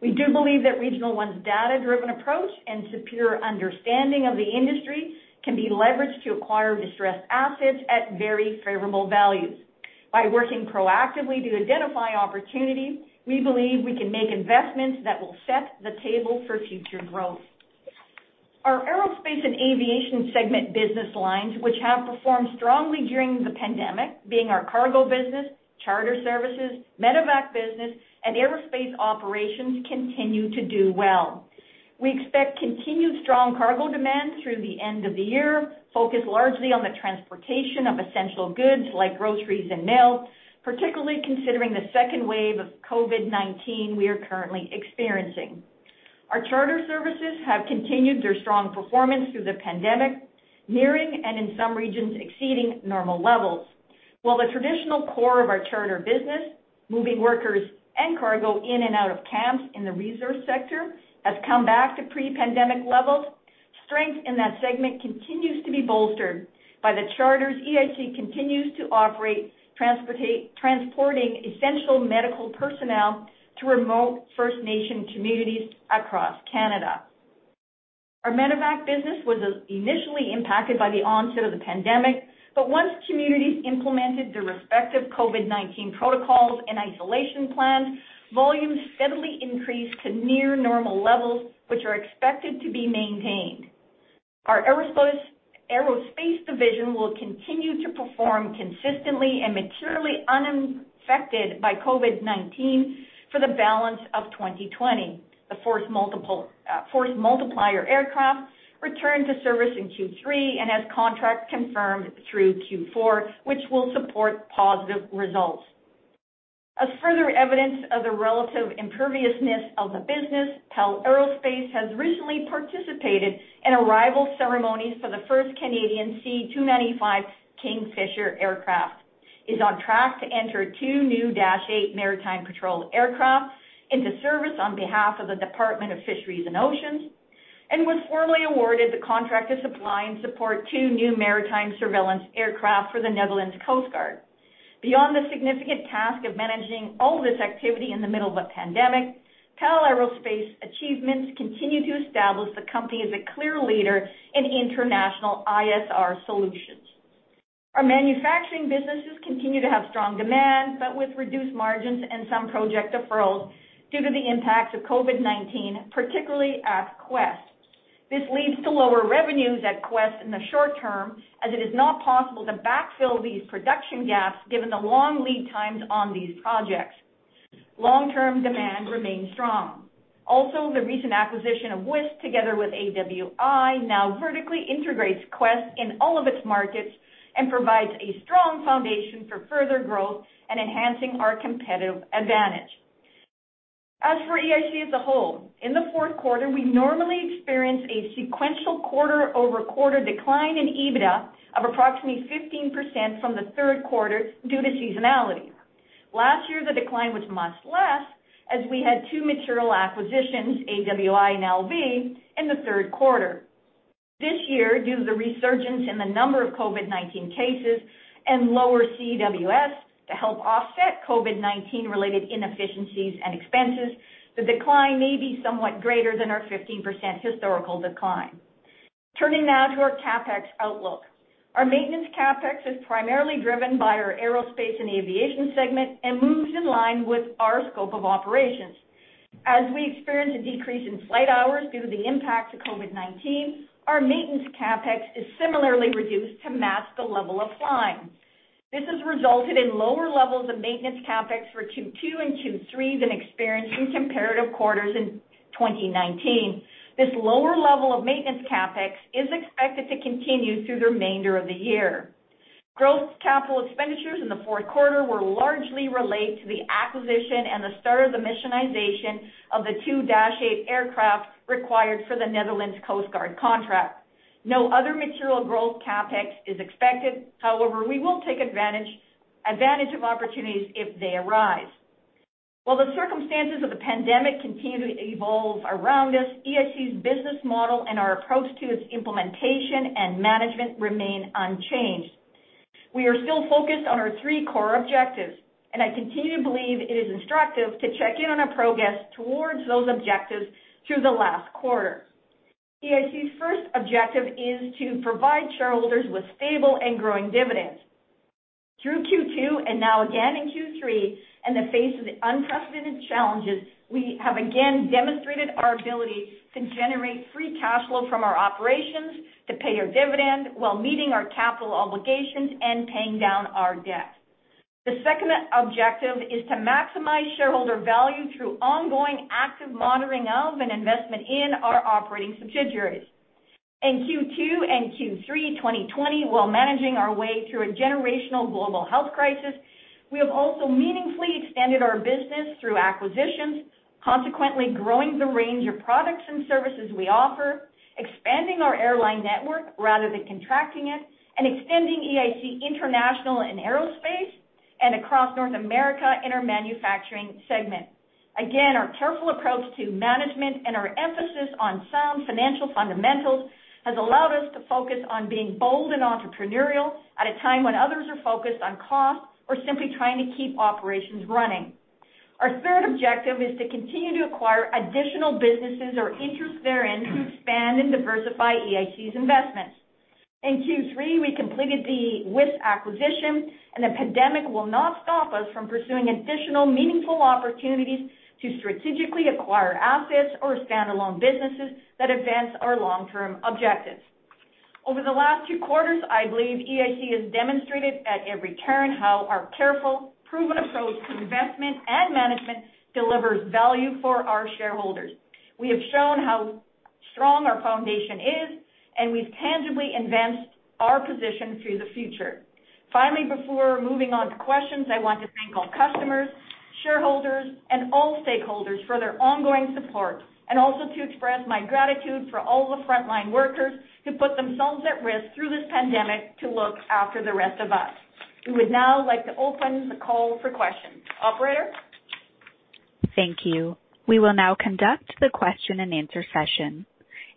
We do believe that Regional One's data-driven approach and superior understanding of the industry can be leveraged to acquire distressed assets at very favorable values. By working proactively to identify opportunities, we believe we can make investments that will set the table for future growth. Our aerospace and aviation segment business lines, which have performed strongly during the pandemic, being our cargo business, charter services, medevac business, and aerospace operations, continue to do well. We expect continued strong cargo demand through the end of the year, focused largely on the transportation of essential goods like groceries and mail, particularly considering the second wave of COVID-19 we are currently experiencing. Our charter services have continued their strong performance through the pandemic, nearing and in some regions, exceeding normal levels. While the traditional core of our charter business, moving workers and cargo in and out of camps in the resource sector, has come back to pre-pandemic levels, strength in that segment continues to be bolstered by the charters EIC continues to operate transporting essential medical personnel to remote First Nation communities across Canada. Our medevac business was initially impacted by the onset of the pandemic. Once communities implemented their respective COVID-19 protocols and isolation plans, volumes steadily increased to near normal levels, which are expected to be maintained. Our aerospace division will continue to perform consistently and materially unaffected by COVID-19 for the balance of 2020. The force multiplier aircraft returned to service in Q3 and has contracts confirmed through Q4, which will support positive results. As further evidence of the relative imperviousness of the business, PAL Aerospace has recently participated in arrival ceremonies for the first Canadian CC-295 Kingfisher aircraft, is on track to enter two new Dash 8 maritime patrol aircraft into service on behalf of the Department of Fisheries and Oceans, and was formally awarded the contract to supply and support two new maritime surveillance aircraft for the Netherlands Coastguard. Beyond the significant task of managing all this activity in the middle of a pandemic, PAL Aerospace achievements continue to establish the company as a clear leader in international ISR solutions. Our manufacturing businesses continue to have strong demand, but with reduced margins and some project deferrals due to the impacts of COVID-19, particularly at Quest. This leads to lower revenues at Quest in the short term, as it is not possible to backfill these production gaps given the long lead times on these projects. Long-term demand remains strong. The recent acquisition of WIS together with AWI now vertically integrates Quest in all of its markets and provides a strong foundation for further growth and enhancing our competitive advantage. As for EIC as a whole, in the fourth quarter, we normally experience a sequential quarter-over-quarter decline in EBITDA of approximately 15% from the third quarter due to seasonality. Last year, the decline was much less, as we had two material acquisitions, AWI and LV, in the third quarter. This year, due to the resurgence in the number of COVID-19 cases and lower CEWS to help offset COVID-19 related inefficiencies and expenses, the decline may be somewhat greater than our 15% historical decline. Turning now to our CapEx outlook. Our maintenance CapEx is primarily driven by our aerospace and aviation segment and moves in line with our scope of operations. As we experience a decrease in flight hours due to the impacts of COVID-19, our maintenance CapEx is similarly reduced to match the level of flying. This has resulted in lower levels of maintenance CapEx for Q2 and Q3 than experienced in comparative quarters in 2019. This lower level of maintenance CapEx is expected to continue through the remainder of the year. Growth capital expenditures in the fourth quarter will largely relate to the acquisition and the start of the missionization of the two Dash 8 aircraft required for the Netherlands Coastguard contract. No other material growth CapEx is expected. However, we will take advantage of opportunities if they arise. While the circumstances of the pandemic continue to evolve around us, EIC's business model and our approach to its implementation and management remain unchanged. We are still focused on our three core objectives, and I continue to believe it is instructive to check in on our progress towards those objectives through the last quarter. EIC's first objective is to provide shareholders with stable and growing dividends. Through Q2 and now again in Q3, in the face of unprecedented challenges, we have again demonstrated our ability to generate free cash flow from our operations to pay our dividend while meeting our capital obligations and paying down our debt. The second objective is to maximize shareholder value through ongoing active monitoring of and investment in our operating subsidiaries. In Q2 and Q3 2020, while managing our way through a generational global health crisis, we have also meaningfully extended our business through acquisitions, consequently growing the range of products and services we offer, expanding our airline network rather than contracting it, and extending EIC International and Aerospace and across North America in our manufacturing segment. Again, our careful approach to management and our emphasis on sound financial fundamentals has allowed us to focus on being bold and entrepreneurial at a time when others are focused on cost or simply trying to keep operations running. Our third objective is to continue to acquire additional businesses or interest therein to expand and diversify EIC's investments. In Q3, we completed the WIS acquisition, and the pandemic will not stop us from pursuing additional meaningful opportunities to strategically acquire assets or standalone businesses that advance our long-term objectives. Over the last two quarters, I believe EIC has demonstrated at every turn how our careful, proven approach to investment and management delivers value for our shareholders. We have shown how strong our foundation is, and we've tangibly advanced our position through the future. Finally, before moving on to questions, I want to thank all customers, shareholders, and all stakeholders for their ongoing support, and also to express my gratitude for all the frontline workers who put themselves at risk through this pandemic to look after the rest of us. We would now like to open the call for questions. Operator? Thank you. We will now conduct the question and answer session.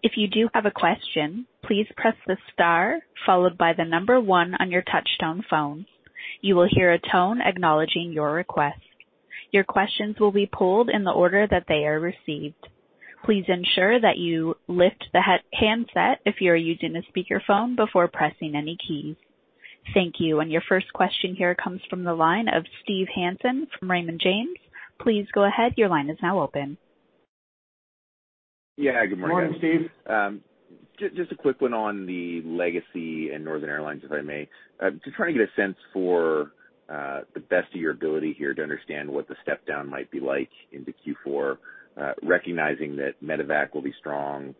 If you do have a question, please press the star followed by the number one on your touchtone phone. You will hear a tone acknowledging your request. Your questions will be pulled in the order that they are received. Please ensure that you lift the handset if you are using a speakerphone before pressing any keys. Thank you. Your first question here comes from the line of Steve Hansen from Raymond James. Please go ahead. Your line is now open. Yeah, good morning. Morning, Steve. Just a quick one on the Legacy Airlines and Northern Airlines, if I may. Just trying to get a sense for the best of your ability here to understand what the step-down might be like into Q4, recognizing that medevac will be strong,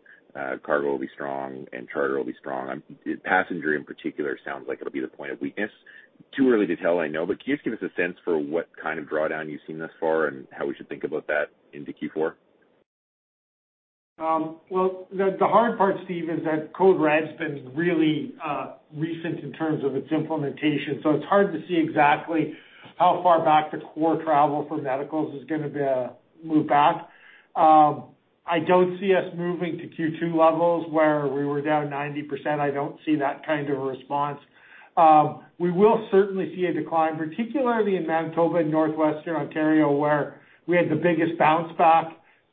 cargo will be strong, and charter will be strong. Passenger in particular sounds like it'll be the point of weakness. Too early to tell, I know, but can you just give us a sense for what kind of drawdown you've seen thus far and how we should think about that into Q4? Well, the hard part, Steve, is that code red's been really recent in terms of its implementation, so it's hard to see exactly how far back the core travel for medicals is going to move back. I don't see us moving to Q2 levels where we were down 90%. I don't see that kind of response. We will certainly see a decline, particularly in Manitoba and northwestern Ontario, where we had the biggest bounce back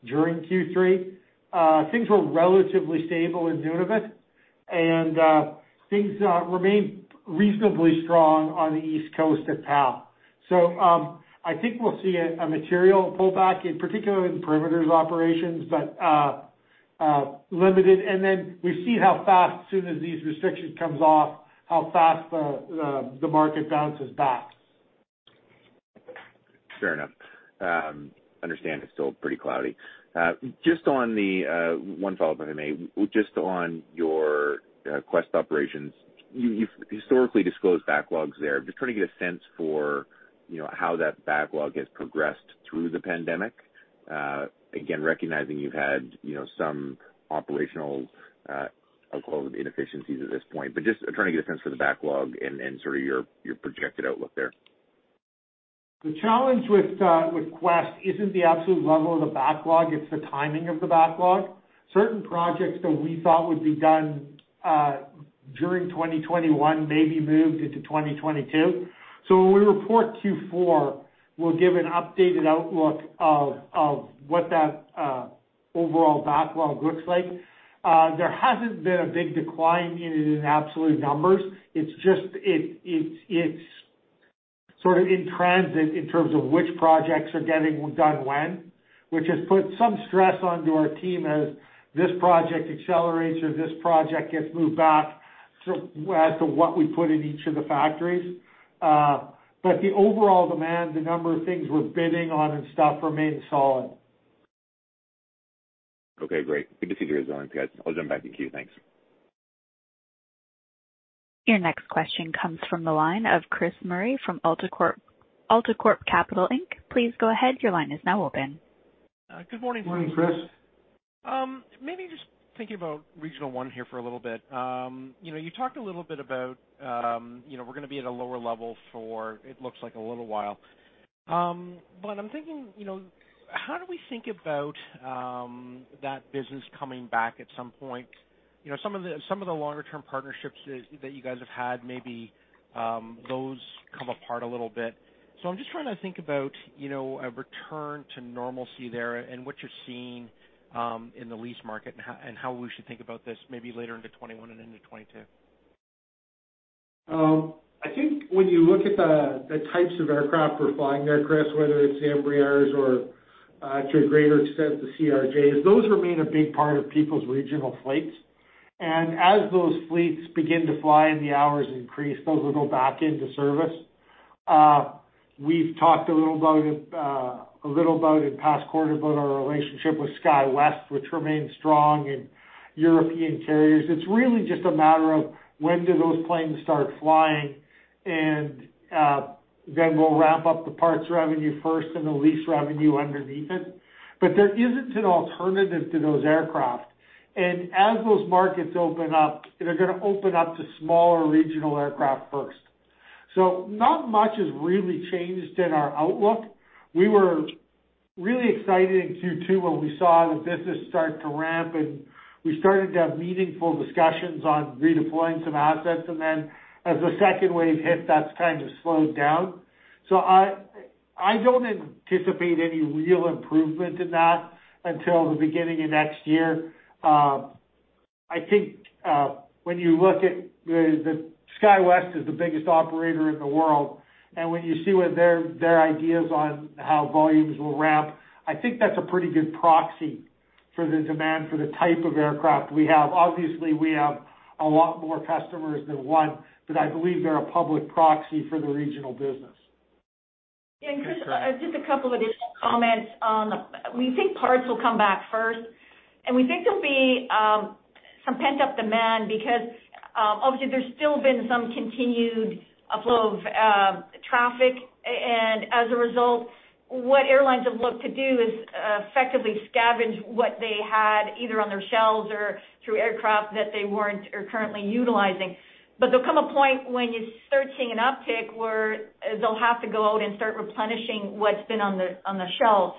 during Q3. Things were relatively stable in Nunavut, and things remain reasonably strong on the East Coast at PAL. I think we'll see a material pullback, particularly in Perimeter's operations, but limited. Then we see how fast, as soon as these restrictions comes off, how fast the market bounces back. Fair enough. Understand it's still pretty cloudy. One follow-up, if I may. Just on your Quest operations, you've historically disclosed backlogs there. I'm just trying to get a sense for how that backlog has progressed through the pandemic. Again, recognizing you've had some operational, I'll call them inefficiencies at this point, but just trying to get a sense for the backlog and sort of your projected outlook there. The challenge with Quest isn't the absolute level of the backlog, it's the timing of the backlog. Certain projects that we thought would be done during 2021 may be moved into 2022. When we report Q4, we'll give an updated outlook of what that overall backlog looks like. There hasn't been a big decline in it in absolute numbers. It's just sort of in transit in terms of which projects are getting done when, which has put some stress onto our team as this project accelerates or this project gets moved back as to what we put in each of the factories. The overall demand, the number of things we're bidding on and stuff remain solid. Okay, great. Good to see the resilience, guys. I'll jump back in queue. Thanks. Your next question comes from the line of Chris Murray from AltaCorp Capital Inc. Please go ahead. Your line is now open. Good morning. Morning, Chris. Maybe just thinking about Regional One here for a little bit. You talked a little bit about we're going to be at a lower level for, it looks like, a little while. I'm thinking, how do we think about that business coming back at some point? Some of the longer-term partnerships that you guys have had, maybe those come apart a little bit. I'm just trying to think about a return to normalcy there and what you're seeing in the lease market and how we should think about this maybe later into 2021 and into 2022. I think when you look at the types of aircraft we're flying there, Chris, whether it's Embraer or to a greater extent the CRJs, those remain a big part of people's regional fleets. As those fleets begin to fly and the hours increase, those will go back into service. We've talked a little about it in past quarter about our relationship with SkyWest, which remains strong, and European carriers. It's really just a matter of when do those planes start flying, then we'll ramp up the parts revenue first and the lease revenue underneath it. There isn't an alternative to those aircraft. As those markets open up, they're going to open up to smaller regional aircraft first. Not much has really changed in our outlook. We were really excited in Q2 when we saw the business start to ramp, and we started to have meaningful discussions on redeploying some assets. Then as the second wave hit, that's kind of slowed down. I don't anticipate any real improvement in that until the beginning of next year. I think when you look at SkyWest is the biggest operator in the world, and when you see what their ideas on how volumes will ramp, I think that's a pretty good proxy for the demand for the type of aircraft we have. Obviously, we have a lot more customers than one, but I believe they're a public proxy for the regional business. Yeah, and Chris, just a couple additional comments. We think parts will come back first, and we think there'll be some pent-up demand because, obviously, there's still been some continued flow of traffic. And as a result, what airlines have looked to do is effectively scavenge what they had either on their shelves or through aircraft that they weren't or currently utilizing. There'll come a point when you're searching an uptick where they'll have to go out and start replenishing what's been on the shelf.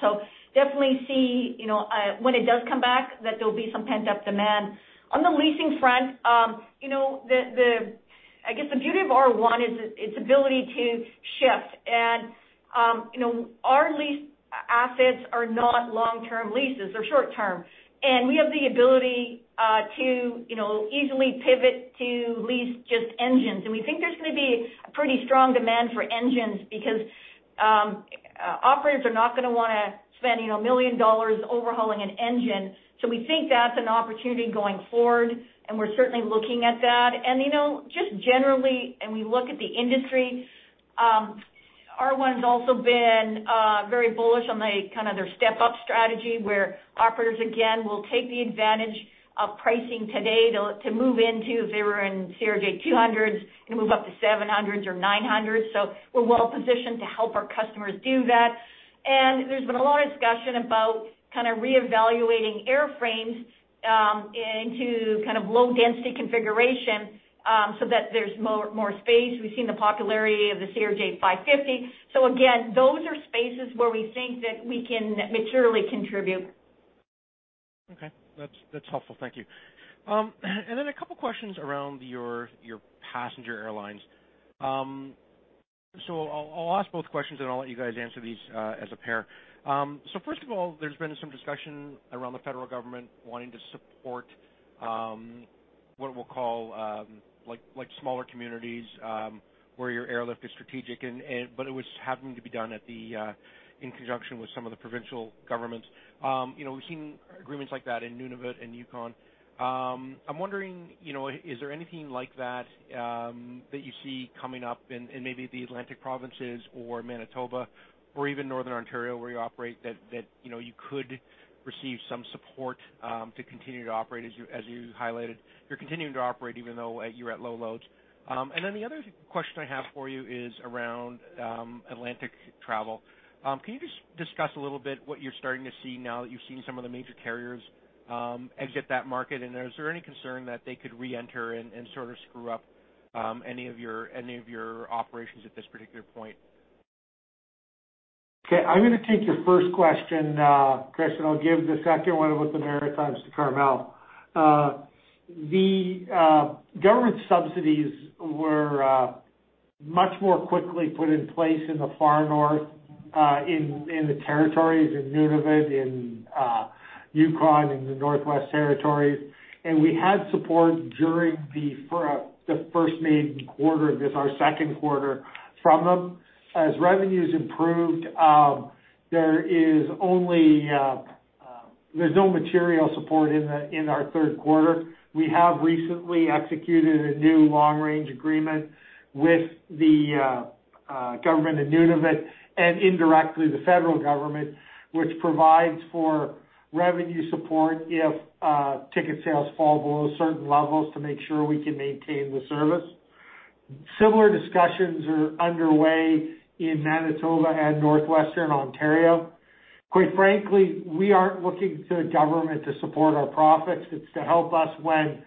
Definitely see, when it does come back, that there'll be some pent-up demand. On the leasing front, I guess the beauty of R1 is its ability to shift. Our lease assets are not long-term leases. They're short-term. We have the ability to easily pivot to lease just engines. We think there's going to be a pretty strong demand for engines because operators are not going to want to spend 1 million dollars overhauling an engine. We think that's an opportunity going forward, and we're certainly looking at that. Just generally, we look at the industry, R1's also been very bullish on their step-up strategy, where operators, again, will take the advantage of pricing today to move into, if they were in CRJ200s, can move up to CRJ700s or CRJ900s. We're well-positioned to help our customers do that. There's been a lot of discussion about reevaluating airframes into low-density configuration so that there's more space. We've seen the popularity of the CRJ-550. Again, those are spaces where we think that we can materially contribute. Okay. That's helpful. Thank you. A couple questions around your passenger airlines. I'll ask both questions, and I'll let you guys answer these as a pair. First of all, there's been some discussion around the Federal Government wanting to support what we'll call smaller communities where your airlift is strategic, but it was having to be done in conjunction with some of the provincial governments. We've seen agreements like that in Nunavut and Yukon. I'm wondering, is there anything like that you see coming up in maybe the Atlantic provinces or Manitoba or even Northern Ontario where you operate that you could receive some support to continue to operate as you highlighted. You're continuing to operate even though you're at low loads. The other question I have for you is around Atlantic travel. Can you just discuss a little bit what you're starting to see now that you've seen some of the major carriers exit that market? Is there any concern that they could reenter and sort of screw up any of your operations at this particular point? Okay. I'm going to take your first question, Chris, and I'll give the second one about the Maritimes to Carmele. The government subsidies were much more quickly put in place in the far north, in the territories, in Nunavut, in Yukon, in the Northwest Territories. We had support during the first maiden quarter of this, our second quarter from them. As revenues improved, there's no material support in our third quarter. We have recently executed a new long-range agreement with the Government of Nunavut and indirectly the federal government, which provides for revenue support if ticket sales fall below certain levels to make sure we can maintain the service. Similar discussions are underway in Manitoba and Northwestern Ontario. Quite frankly, we aren't looking to the government to support our profits. It's to help us when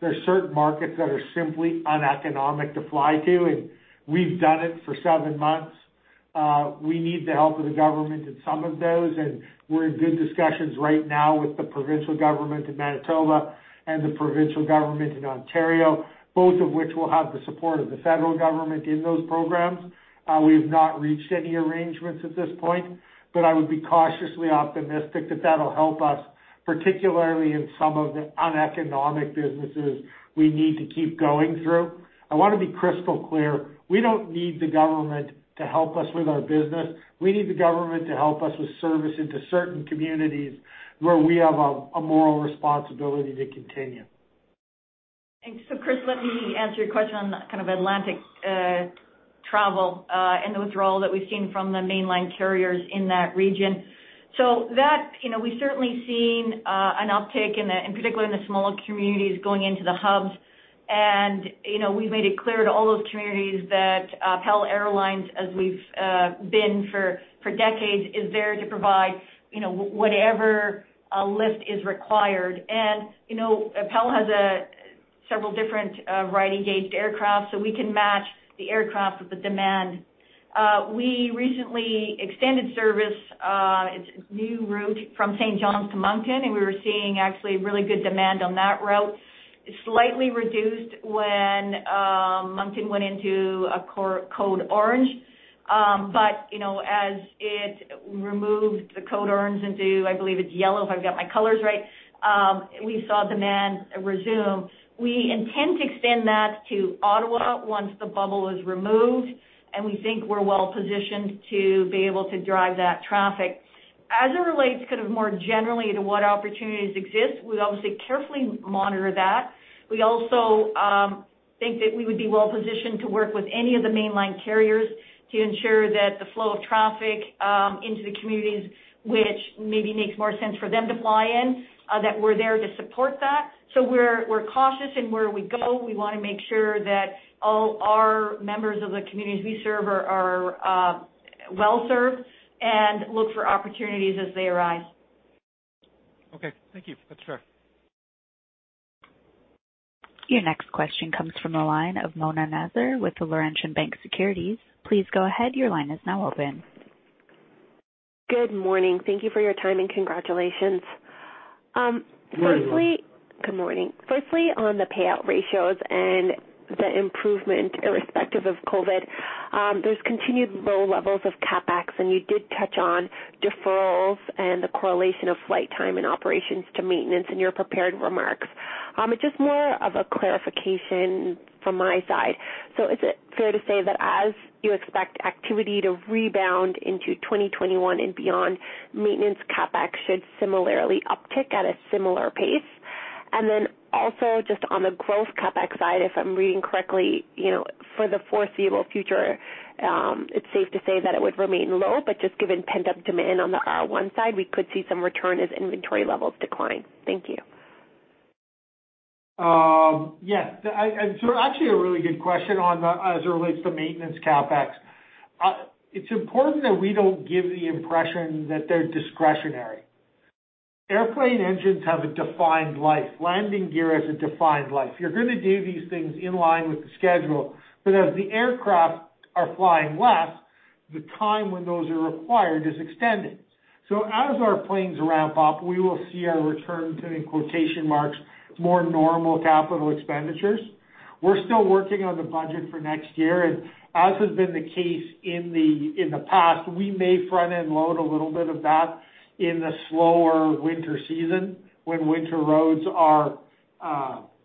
there's certain markets that are simply uneconomic to fly to, and we've done it for seven months. We need the help of the government in some of those, and we're in good discussions right now with the provincial government in Manitoba and the provincial government in Ontario, both of which will have the support of the federal government in those programs. We've not reached any arrangements at this point, but I would be cautiously optimistic that that'll help us, particularly in some of the uneconomic businesses we need to keep going through. I want to be crystal clear. We don't need the government to help us with our business. We need the government to help us with service into certain communities where we have a moral responsibility to continue. Chris, let me answer your question on kind of Atlantic travel and the withdrawal that we've seen from the mainline carriers in that region. That, we've certainly seen an uptick, in particular in the smaller communities going into the hubs, and we've made it clear to all those communities that PAL Airlines, as we've been for decades, is there to provide whatever lift is required. PAL has several different aircraft, so we can match the aircraft with the demand. We recently extended service. It's a new route from St. John's to Moncton, and we were seeing actually really good demand on that route. Slightly reduced when Moncton went into a Code Orange. As it removed the Code Orange into, I believe it's yellow if I've got my colors right, we saw demand resume. We intend to extend that to Ottawa once the bubble is removed, and we think we're well-positioned to be able to drive that traffic. As it relates kind of more generally to what opportunities exist, we obviously carefully monitor that. We also think that we would be well-positioned to work with any of the mainline carriers to ensure that the flow of traffic into the communities, which maybe makes more sense for them to fly in, that we're there to support that. We're cautious in where we go. We want to make sure that all our members of the communities we serve are well-served and look for opportunities as they arise. Okay. Thank you. That's fair. Your next question comes from the line of Mona Nazir with the Laurentian Bank Securities. Please go ahead, your line is now open. Good morning. Thank you for your time, and congratulations. Good morning. Good morning. Firstly, on the payout ratios and the improvement irrespective of COVID, there's continued low levels of CapEx, and you did touch on deferrals and the correlation of flight time and operations to maintenance in your prepared remarks. It's just more of a clarification from my side. Is it fair to say that as you expect activity to rebound into 2021 and beyond, maintenance CapEx should similarly uptick at a similar pace? Also just on the growth CapEx side, if I'm reading correctly, for the foreseeable future it's safe to say that it would remain low, but just given pent-up demand on the R1 side, we could see some return as inventory levels decline. Thank you. Yes. Actually a really good question as it relates to maintenance CapEx. It's important that we don't give the impression that they're discretionary. Airplane engines have a defined life. Landing gear has a defined life. You're going to do these things in line with the schedule. As the aircraft are flying less, the time when those are required is extended. As our planes ramp up, we will see a return to, in quotation marks, more normal capital expenditures. We're still working on the budget for next year, and as has been the case in the past, we may front-end load a little bit of that in the slower winter season when winter roads are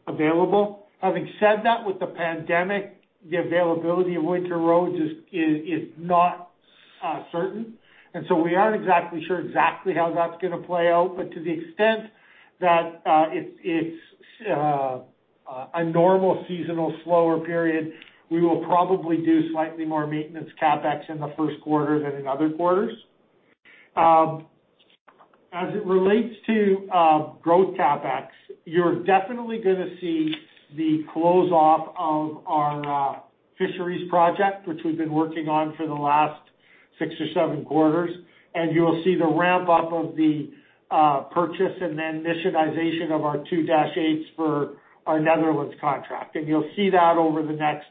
available. Having said that, with the pandemic, the availability of winter roads is not certain, and so we aren't exactly sure exactly how that's going to play out. To the extent that it's a normal seasonal slower period, we will probably do slightly more maintenance CapEx in the first quarter than in other quarters. As it relates to growth CapEx, you're definitely going to see the close off of our fisheries project, which we've been working on for the last six or seven quarters, and you'll see the ramp up of the purchase and then missionization of our two Dash 8-100s for our Netherlands contract. You'll see that over the next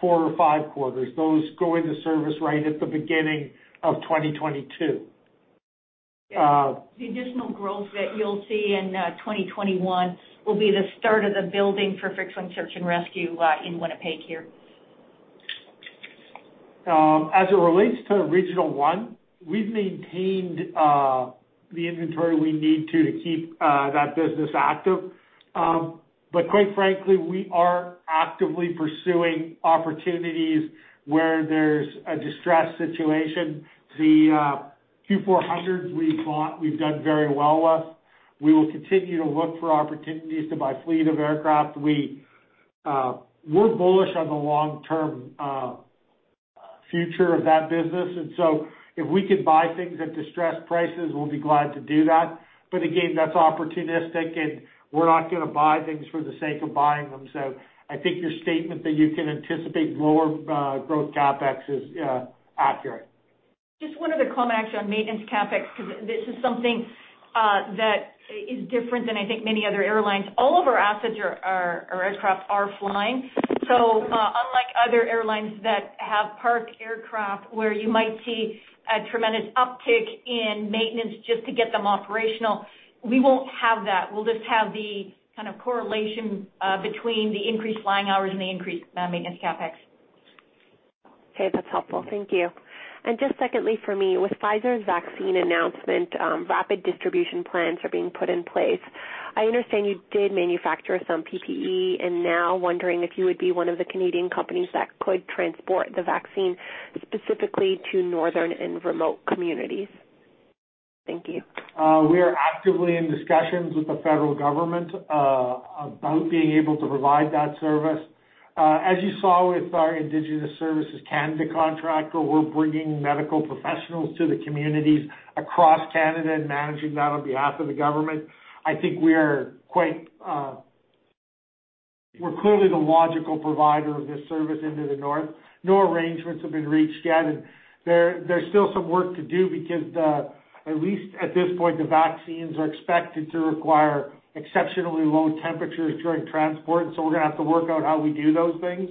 four or five quarters. Those go into service right at the beginning of 2022. The additional growth that you'll see in 2021 will be the start of the building for fixed-wing search and rescue in Winnipeg here. As it relates to Regional One, we've maintained the inventory we need to keep that business active. Quite frankly, we are actively pursuing opportunities where there's a distressed situation. The Q400s we've bought, we've done very well with. We will continue to look for opportunities to buy fleet of aircraft. We're bullish on the long-term future of that business, if we can buy things at distressed prices, we'll be glad to do that. Again, that's opportunistic, and we're not going to buy things for the sake of buying them. I think your statement that you can anticipate lower growth CapEx is accurate. Just one other comment actually on maintenance CapEx, because this is something that is different than I think many other airlines. All of our assets or aircraft are flying. Unlike other airlines that have parked aircraft where you might see a tremendous uptick in maintenance just to get them operational, we won't have that. We'll just have the kind of correlation between the increased flying hours and the increased maintenance CapEx. Okay. That's helpful. Thank you. Just secondly for me, with Pfizer's vaccine announcement, rapid distribution plans are being put in place. I understand you did manufacture some PPE, and now wondering if you would be one of the Canadian companies that could transport the vaccine specifically to northern and remote communities. Thank you. We are actively in discussions with the federal government about being able to provide that service. As you saw with our Indigenous Services Canada contractor, we're bringing medical professionals to the communities across Canada and managing that on behalf of the government. I think we're clearly the logical provider of this service into the North. No arrangements have been reached yet, and there's still some work to do because, at least at this point, the vaccines are expected to require exceptionally low temperatures during transport, so we're going to have to work out how we do those things.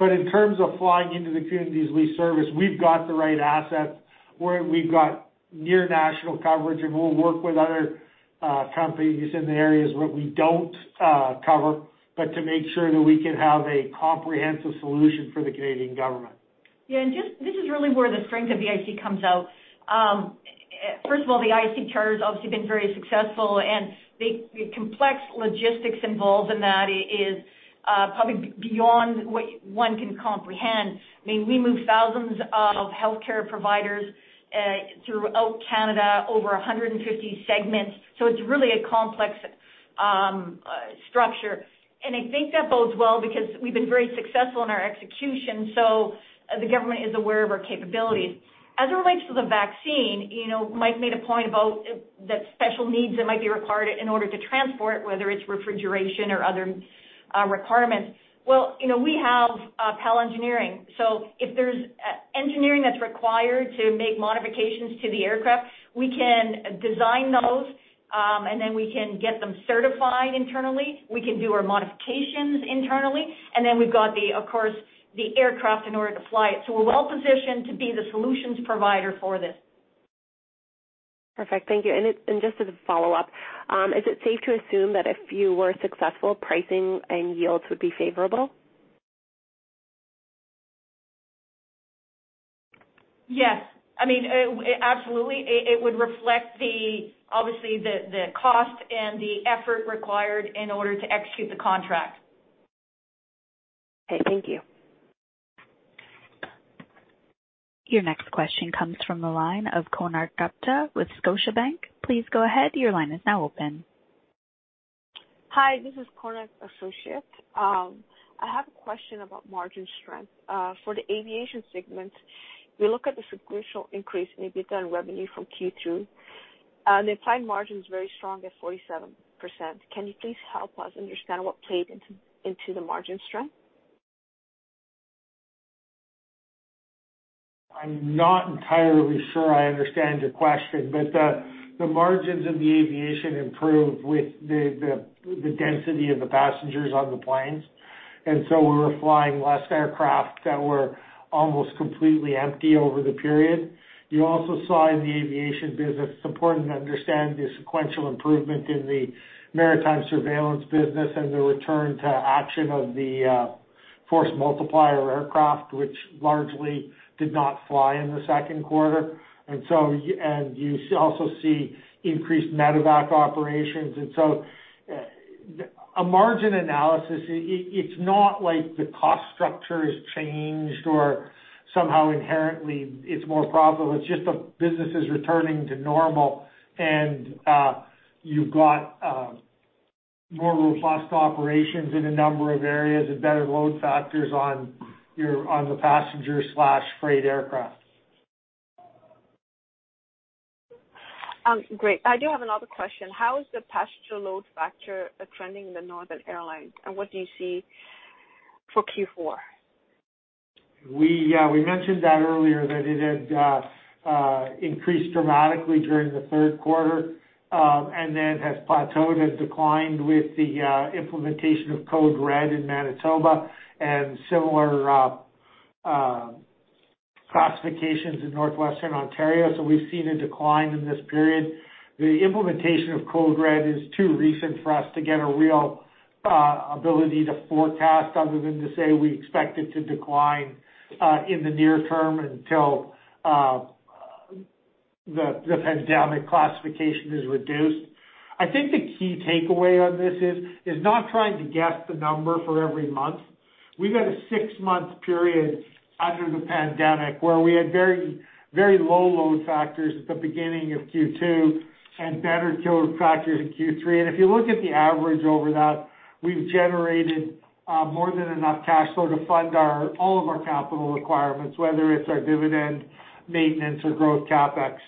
In terms of flying into the communities we service, we've got the right assets, we've got near national coverage, and we'll work with other companies in the areas where we don't cover, but to make sure that we can have a comprehensive solution for the Canadian government. Yeah, this is really where the strength of EIC comes out. First of all, the EIC charter's obviously been very successful, and the complex logistics involved in that is probably beyond what one can comprehend. I mean, we move thousands of healthcare providers throughout Canada over 150 segments. It's really a complex structure. I think that bodes well because we've been very successful in our execution, so the government is aware of our capabilities. As it relates to the vaccine, Mike made a point about the special needs that might be required in order to transport, whether it's refrigeration or other requirements. Well, we have PAL Engineering. If there's engineering that's required to make modifications to the aircraft, we can design those, and then we can get them certified internally. We can do our modifications internally, and then we've got, of course, the aircraft in order to fly it. We're well-positioned to be the solutions provider for this. Perfect. Thank you. Just as a follow-up, is it safe to assume that if you were successful, pricing and yields would be favorable? Yes. Absolutely. It would reflect, obviously, the cost and the effort required in order to execute the contract. Okay. Thank you. Your next question comes from the line of Konark Gupta with Scotiabank. Please go ahead, your line is now open. Hi, this is Konark associate. I have a question about margin strength. For the aviation segment, we look at the sequential increase in EBITDA and revenue from Q2, and the applied margin is very strong at 47%. Can you please help us understand what played into the margin strength? I'm not entirely sure I understand your question, the margins of the aviation improved with the density of the passengers on the planes. We were flying less aircraft that were almost completely empty over the period. You also saw in the aviation business, it's important to understand the sequential improvement in the maritime surveillance business and the return to action of the force multiplier aircraft, which largely did not fly in the second quarter. You also see increased medevac operations. A margin analysis, it's not like the cost structure has changed or somehow inherently it's more profitable. It's just the business is returning to normal and you've got more robust operations in a number of areas and better load factors on the passenger/freight aircraft. Great. I do have another question. How is the passenger load factor trending in the northern airlines, and what do you see for Q4? We mentioned that earlier that it had increased dramatically during the third quarter, and then has plateaued and declined with the implementation of code red in Manitoba and similar classifications in Northwestern Ontario. We've seen a decline in this period. The implementation of code red is too recent for us to get a real ability to forecast other than to say we expect it to decline in the near term until the pandemic classification is reduced. I think the key takeaway on this is not trying to guess the number for every month. We've had a six-month period under the pandemic where we had very low load factors at the beginning of Q2 and better load factors in Q3. If you look at the average over that, we've generated more than enough cash flow to fund all of our capital requirements, whether it's our dividend, maintenance, or growth CapEx.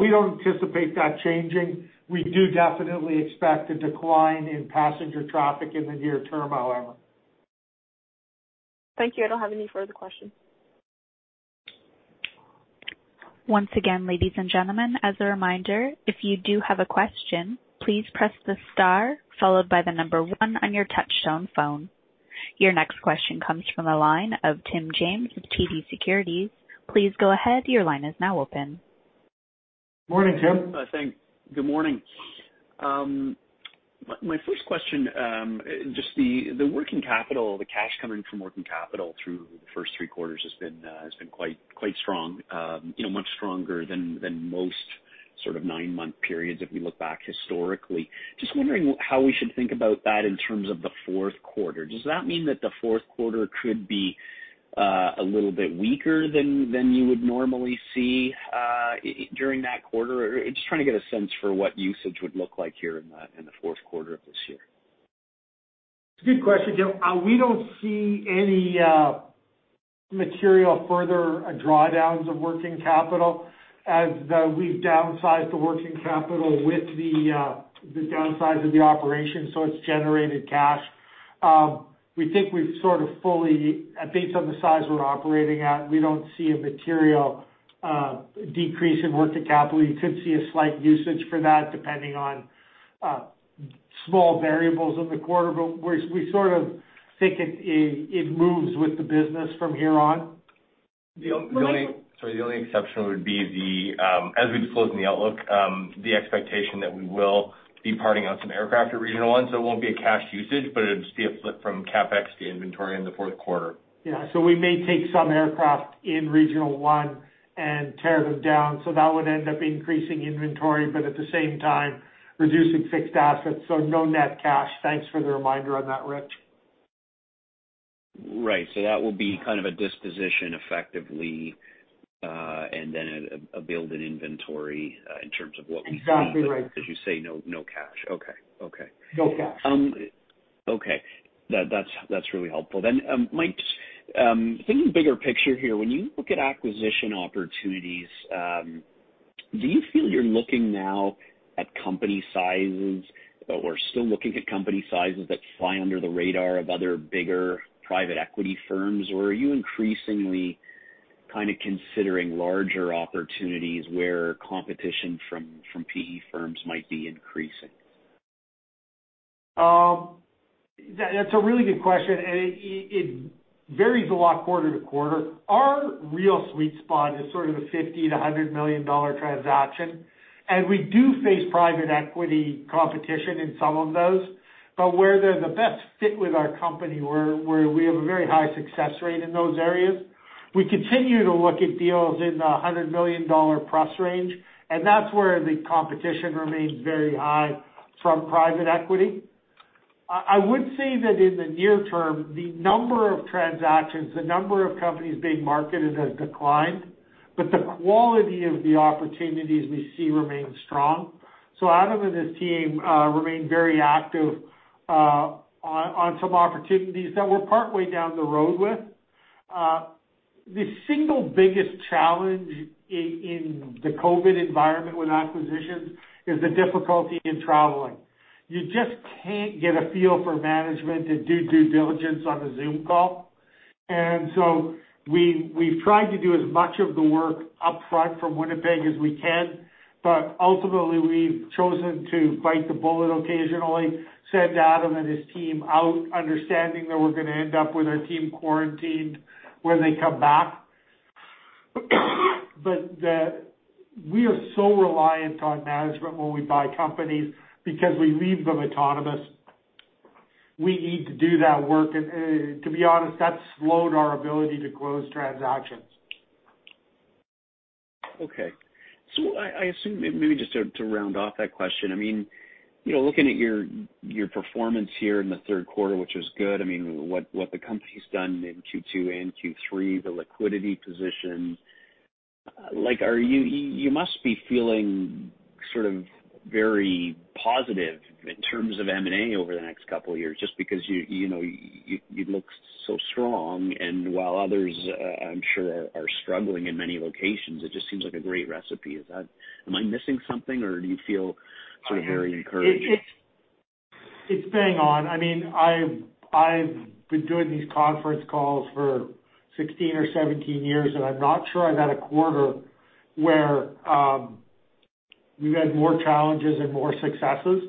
We don't anticipate that changing. We do definitely expect a decline in passenger traffic in the near term, however. Thank you. I don't have any further questions. Once again, ladies and gentlemen, as a reminder, if you do have a question, please press the star followed by the number one on your touchtone phone. Your next question comes from the line of Tim James with TD Securities. Please go ahead, your line is now open. Morning, Tim. Thanks. Good morning. My first question, just the working capital, the cash coming from working capital through the first three quarters has been quite strong. Much stronger than most sort of non- periods if we look back historically. Just wondering how we should think about that in terms of the fourth quarter. Does that mean that the fourth quarter could be a little bit weaker than you would normally see during that quarter? Just trying to get a sense for what usage would look like here in the fourth quarter of this year. It's a good question, Tim. We don't see any material further drawdowns of working capital as we've downsized the working capital with the downsize of the operation, so it's generated cash. We think based on the size we're operating at, we don't see a material decrease in working capital. You could see a slight usage for that depending on small variables of the quarter, but we sort of think it moves with the business from here on. Sorry, the only exception would be as we disclosed in the outlook, the expectation that we will be parting out some aircraft at Regional One, so it won't be a cash usage, but it would still be a flip from CapEx to inventory in the fourth quarter. Yeah. We may take some aircraft in Regional One and tear them down. That would end up increasing inventory, but at the same time reducing fixed assets, so no net cash. Thanks for the reminder on that, Rich. Right. That will be kind of a disposition effectively, and then a build in inventory. Exactly right. You say no cash. Okay. No cash. Okay. That's really helpful. Mike, thinking bigger picture here, when you look at acquisition opportunities, do you feel you're looking now at company sizes, or still looking at company sizes that fly under the radar of other bigger private equity firms? Or are you increasingly considering larger opportunities where competition from PE firms might be increasing? That's a really good question, and it varies a lot quarter to quarter. Our real sweet spot is sort of a 50 million to 100 million dollar transaction, and we do face private equity competition in some of those, where they're the best fit with our company, where we have a very high success rate in those areas. We continue to look at deals in the 100 million dollar price range, and that's where the competition remains very high from private equity. I would say that in the near term, the number of transactions, the number of companies being marketed has declined, but the quality of the opportunities we see remains strong. Adam and his team remain very active on some opportunities that we're partway down the road with. The single biggest challenge in the COVID environment with acquisitions is the difficulty in traveling. You just can't get a feel for management to do due diligence on a Zoom call. We've tried to do as much of the work upfront from Winnipeg as we can. Ultimately, we've chosen to bite the bullet occasionally, send Adam and his team out, understanding that we're going to end up with our team quarantined when they come back. We are so reliant on management when we buy companies because we leave them autonomous. We need to do that work, and to be honest, that's slowed our ability to close transactions. Okay. I assume, maybe just to round off that question, looking at your performance here in the third quarter, which was good, what the company's done in Q2 and Q3, the liquidity position, you must be feeling sort of very positive in terms of M&A over the next couple of years, just because you look so strong and while others, I'm sure, are struggling in many locations. It just seems like a great recipe. Am I missing something, or do you feel sort of very encouraged? It's bang on. I've been doing these conference calls for 16 or 17 years. I'm not sure I've had a quarter where we've had more challenges and more successes.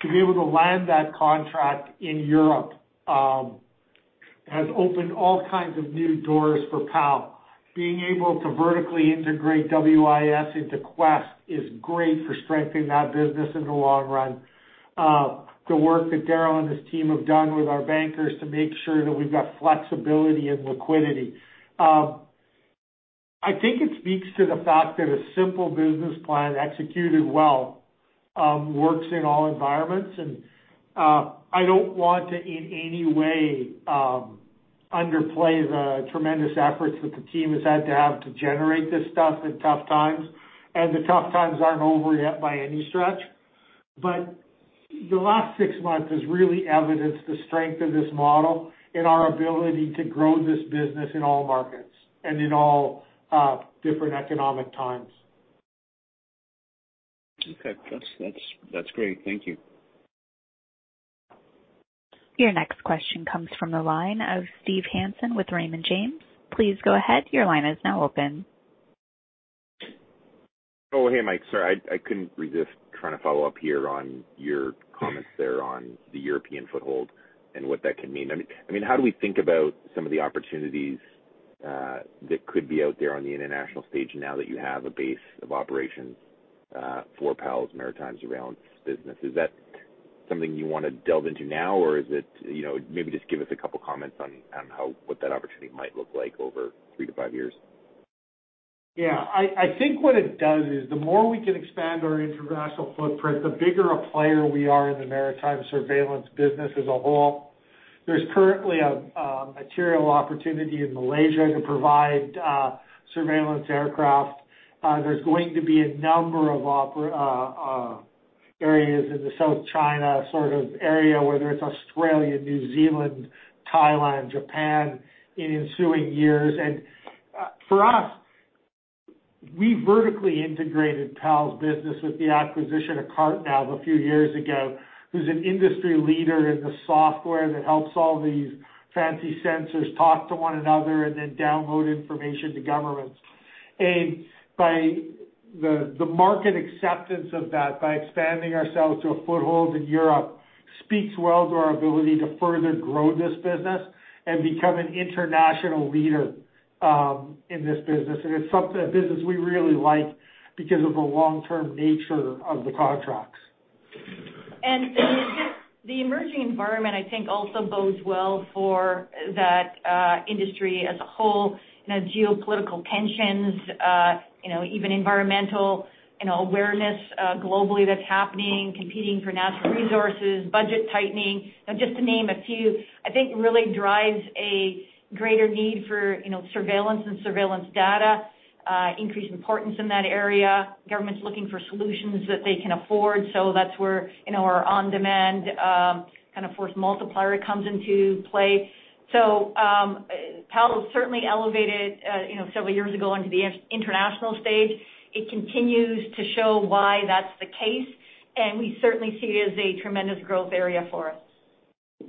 To be able to land that contract in Europe has opened all kinds of new doors for PAL. Being able to vertically integrate WIS into Quest is great for strengthening that business in the long run. The work that Darryl and his team have done with our bankers to make sure that we've got flexibility and liquidity. I think it speaks to the fact that a simple business plan executed well works in all environments. I don't want to in any way underplay the tremendous efforts that the team has had to have to generate this stuff in tough times. The tough times aren't over yet by any stretch. The last six months has really evidenced the strength of this model and our ability to grow this business in all markets and in all different economic times. Okay. That's great. Thank you. Your next question comes from the line of Steve Hansen with Raymond James. Please go ahead. Your line is now open. Oh, hey, Mike. Sorry, I couldn't resist trying to follow up here on your comments there on the European foothold and what that can mean. How do we think about some of the opportunities that could be out there on the international stage now that you have a base of operations for PAL's maritime surveillance business? Something you want to delve into now, or is it maybe just give us a couple comments on what that opportunity might look like over three to five years? Yeah. I think what it does is the more we can expand our international footprint, the bigger a player we are in the maritime surveillance business as a whole. There's currently a material opportunity in Malaysia to provide surveillance aircraft. There's going to be a number of areas in the South China sort of area, whether it's Australia, New Zealand, Thailand, Japan, in ensuing years. For us, we vertically integrated PAL's business with the acquisition of CarteNav a few years ago, who's an industry leader in the software that helps all these fancy sensors talk to one another and then download information to governments. By the market acceptance of that, by expanding ourselves to a foothold in Europe, speaks well to our ability to further grow this business and become an international leader in this business. It's a business we really like because of the long-term nature of the contracts. The emerging environment, I think, also bodes well for that industry as a whole. Geopolitical tensions, even environmental awareness globally that's happening, competing for natural resources, budget tightening, just to name a few, I think really drives a greater need for surveillance and surveillance data, increased importance in that area. Governments looking for solutions that they can afford. That's where our on-demand kind of force multiplier comes into play. PAL certainly elevated, several years ago, onto the international stage. It continues to show why that's the case, and we certainly see it as a tremendous growth area for us.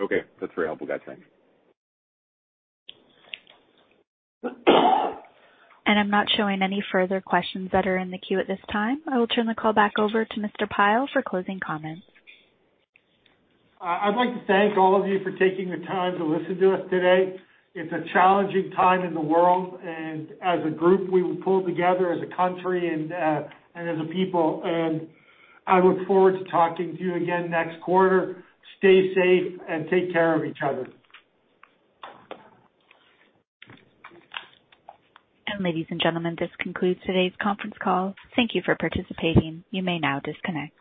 Okay. That's very helpful, guys. Thanks. I'm not showing any further questions that are in the queue at this time. I will turn the call back over to Mr. Pyle for closing comments. I'd like to thank all of you for taking the time to listen to us today. It's a challenging time in the world, and as a group, we will pull together as a country and as a people. I look forward to talking to you again next quarter. Stay safe and take care of each other. Ladies and gentlemen, this concludes today's conference call. Thank you for participating. You may now disconnect.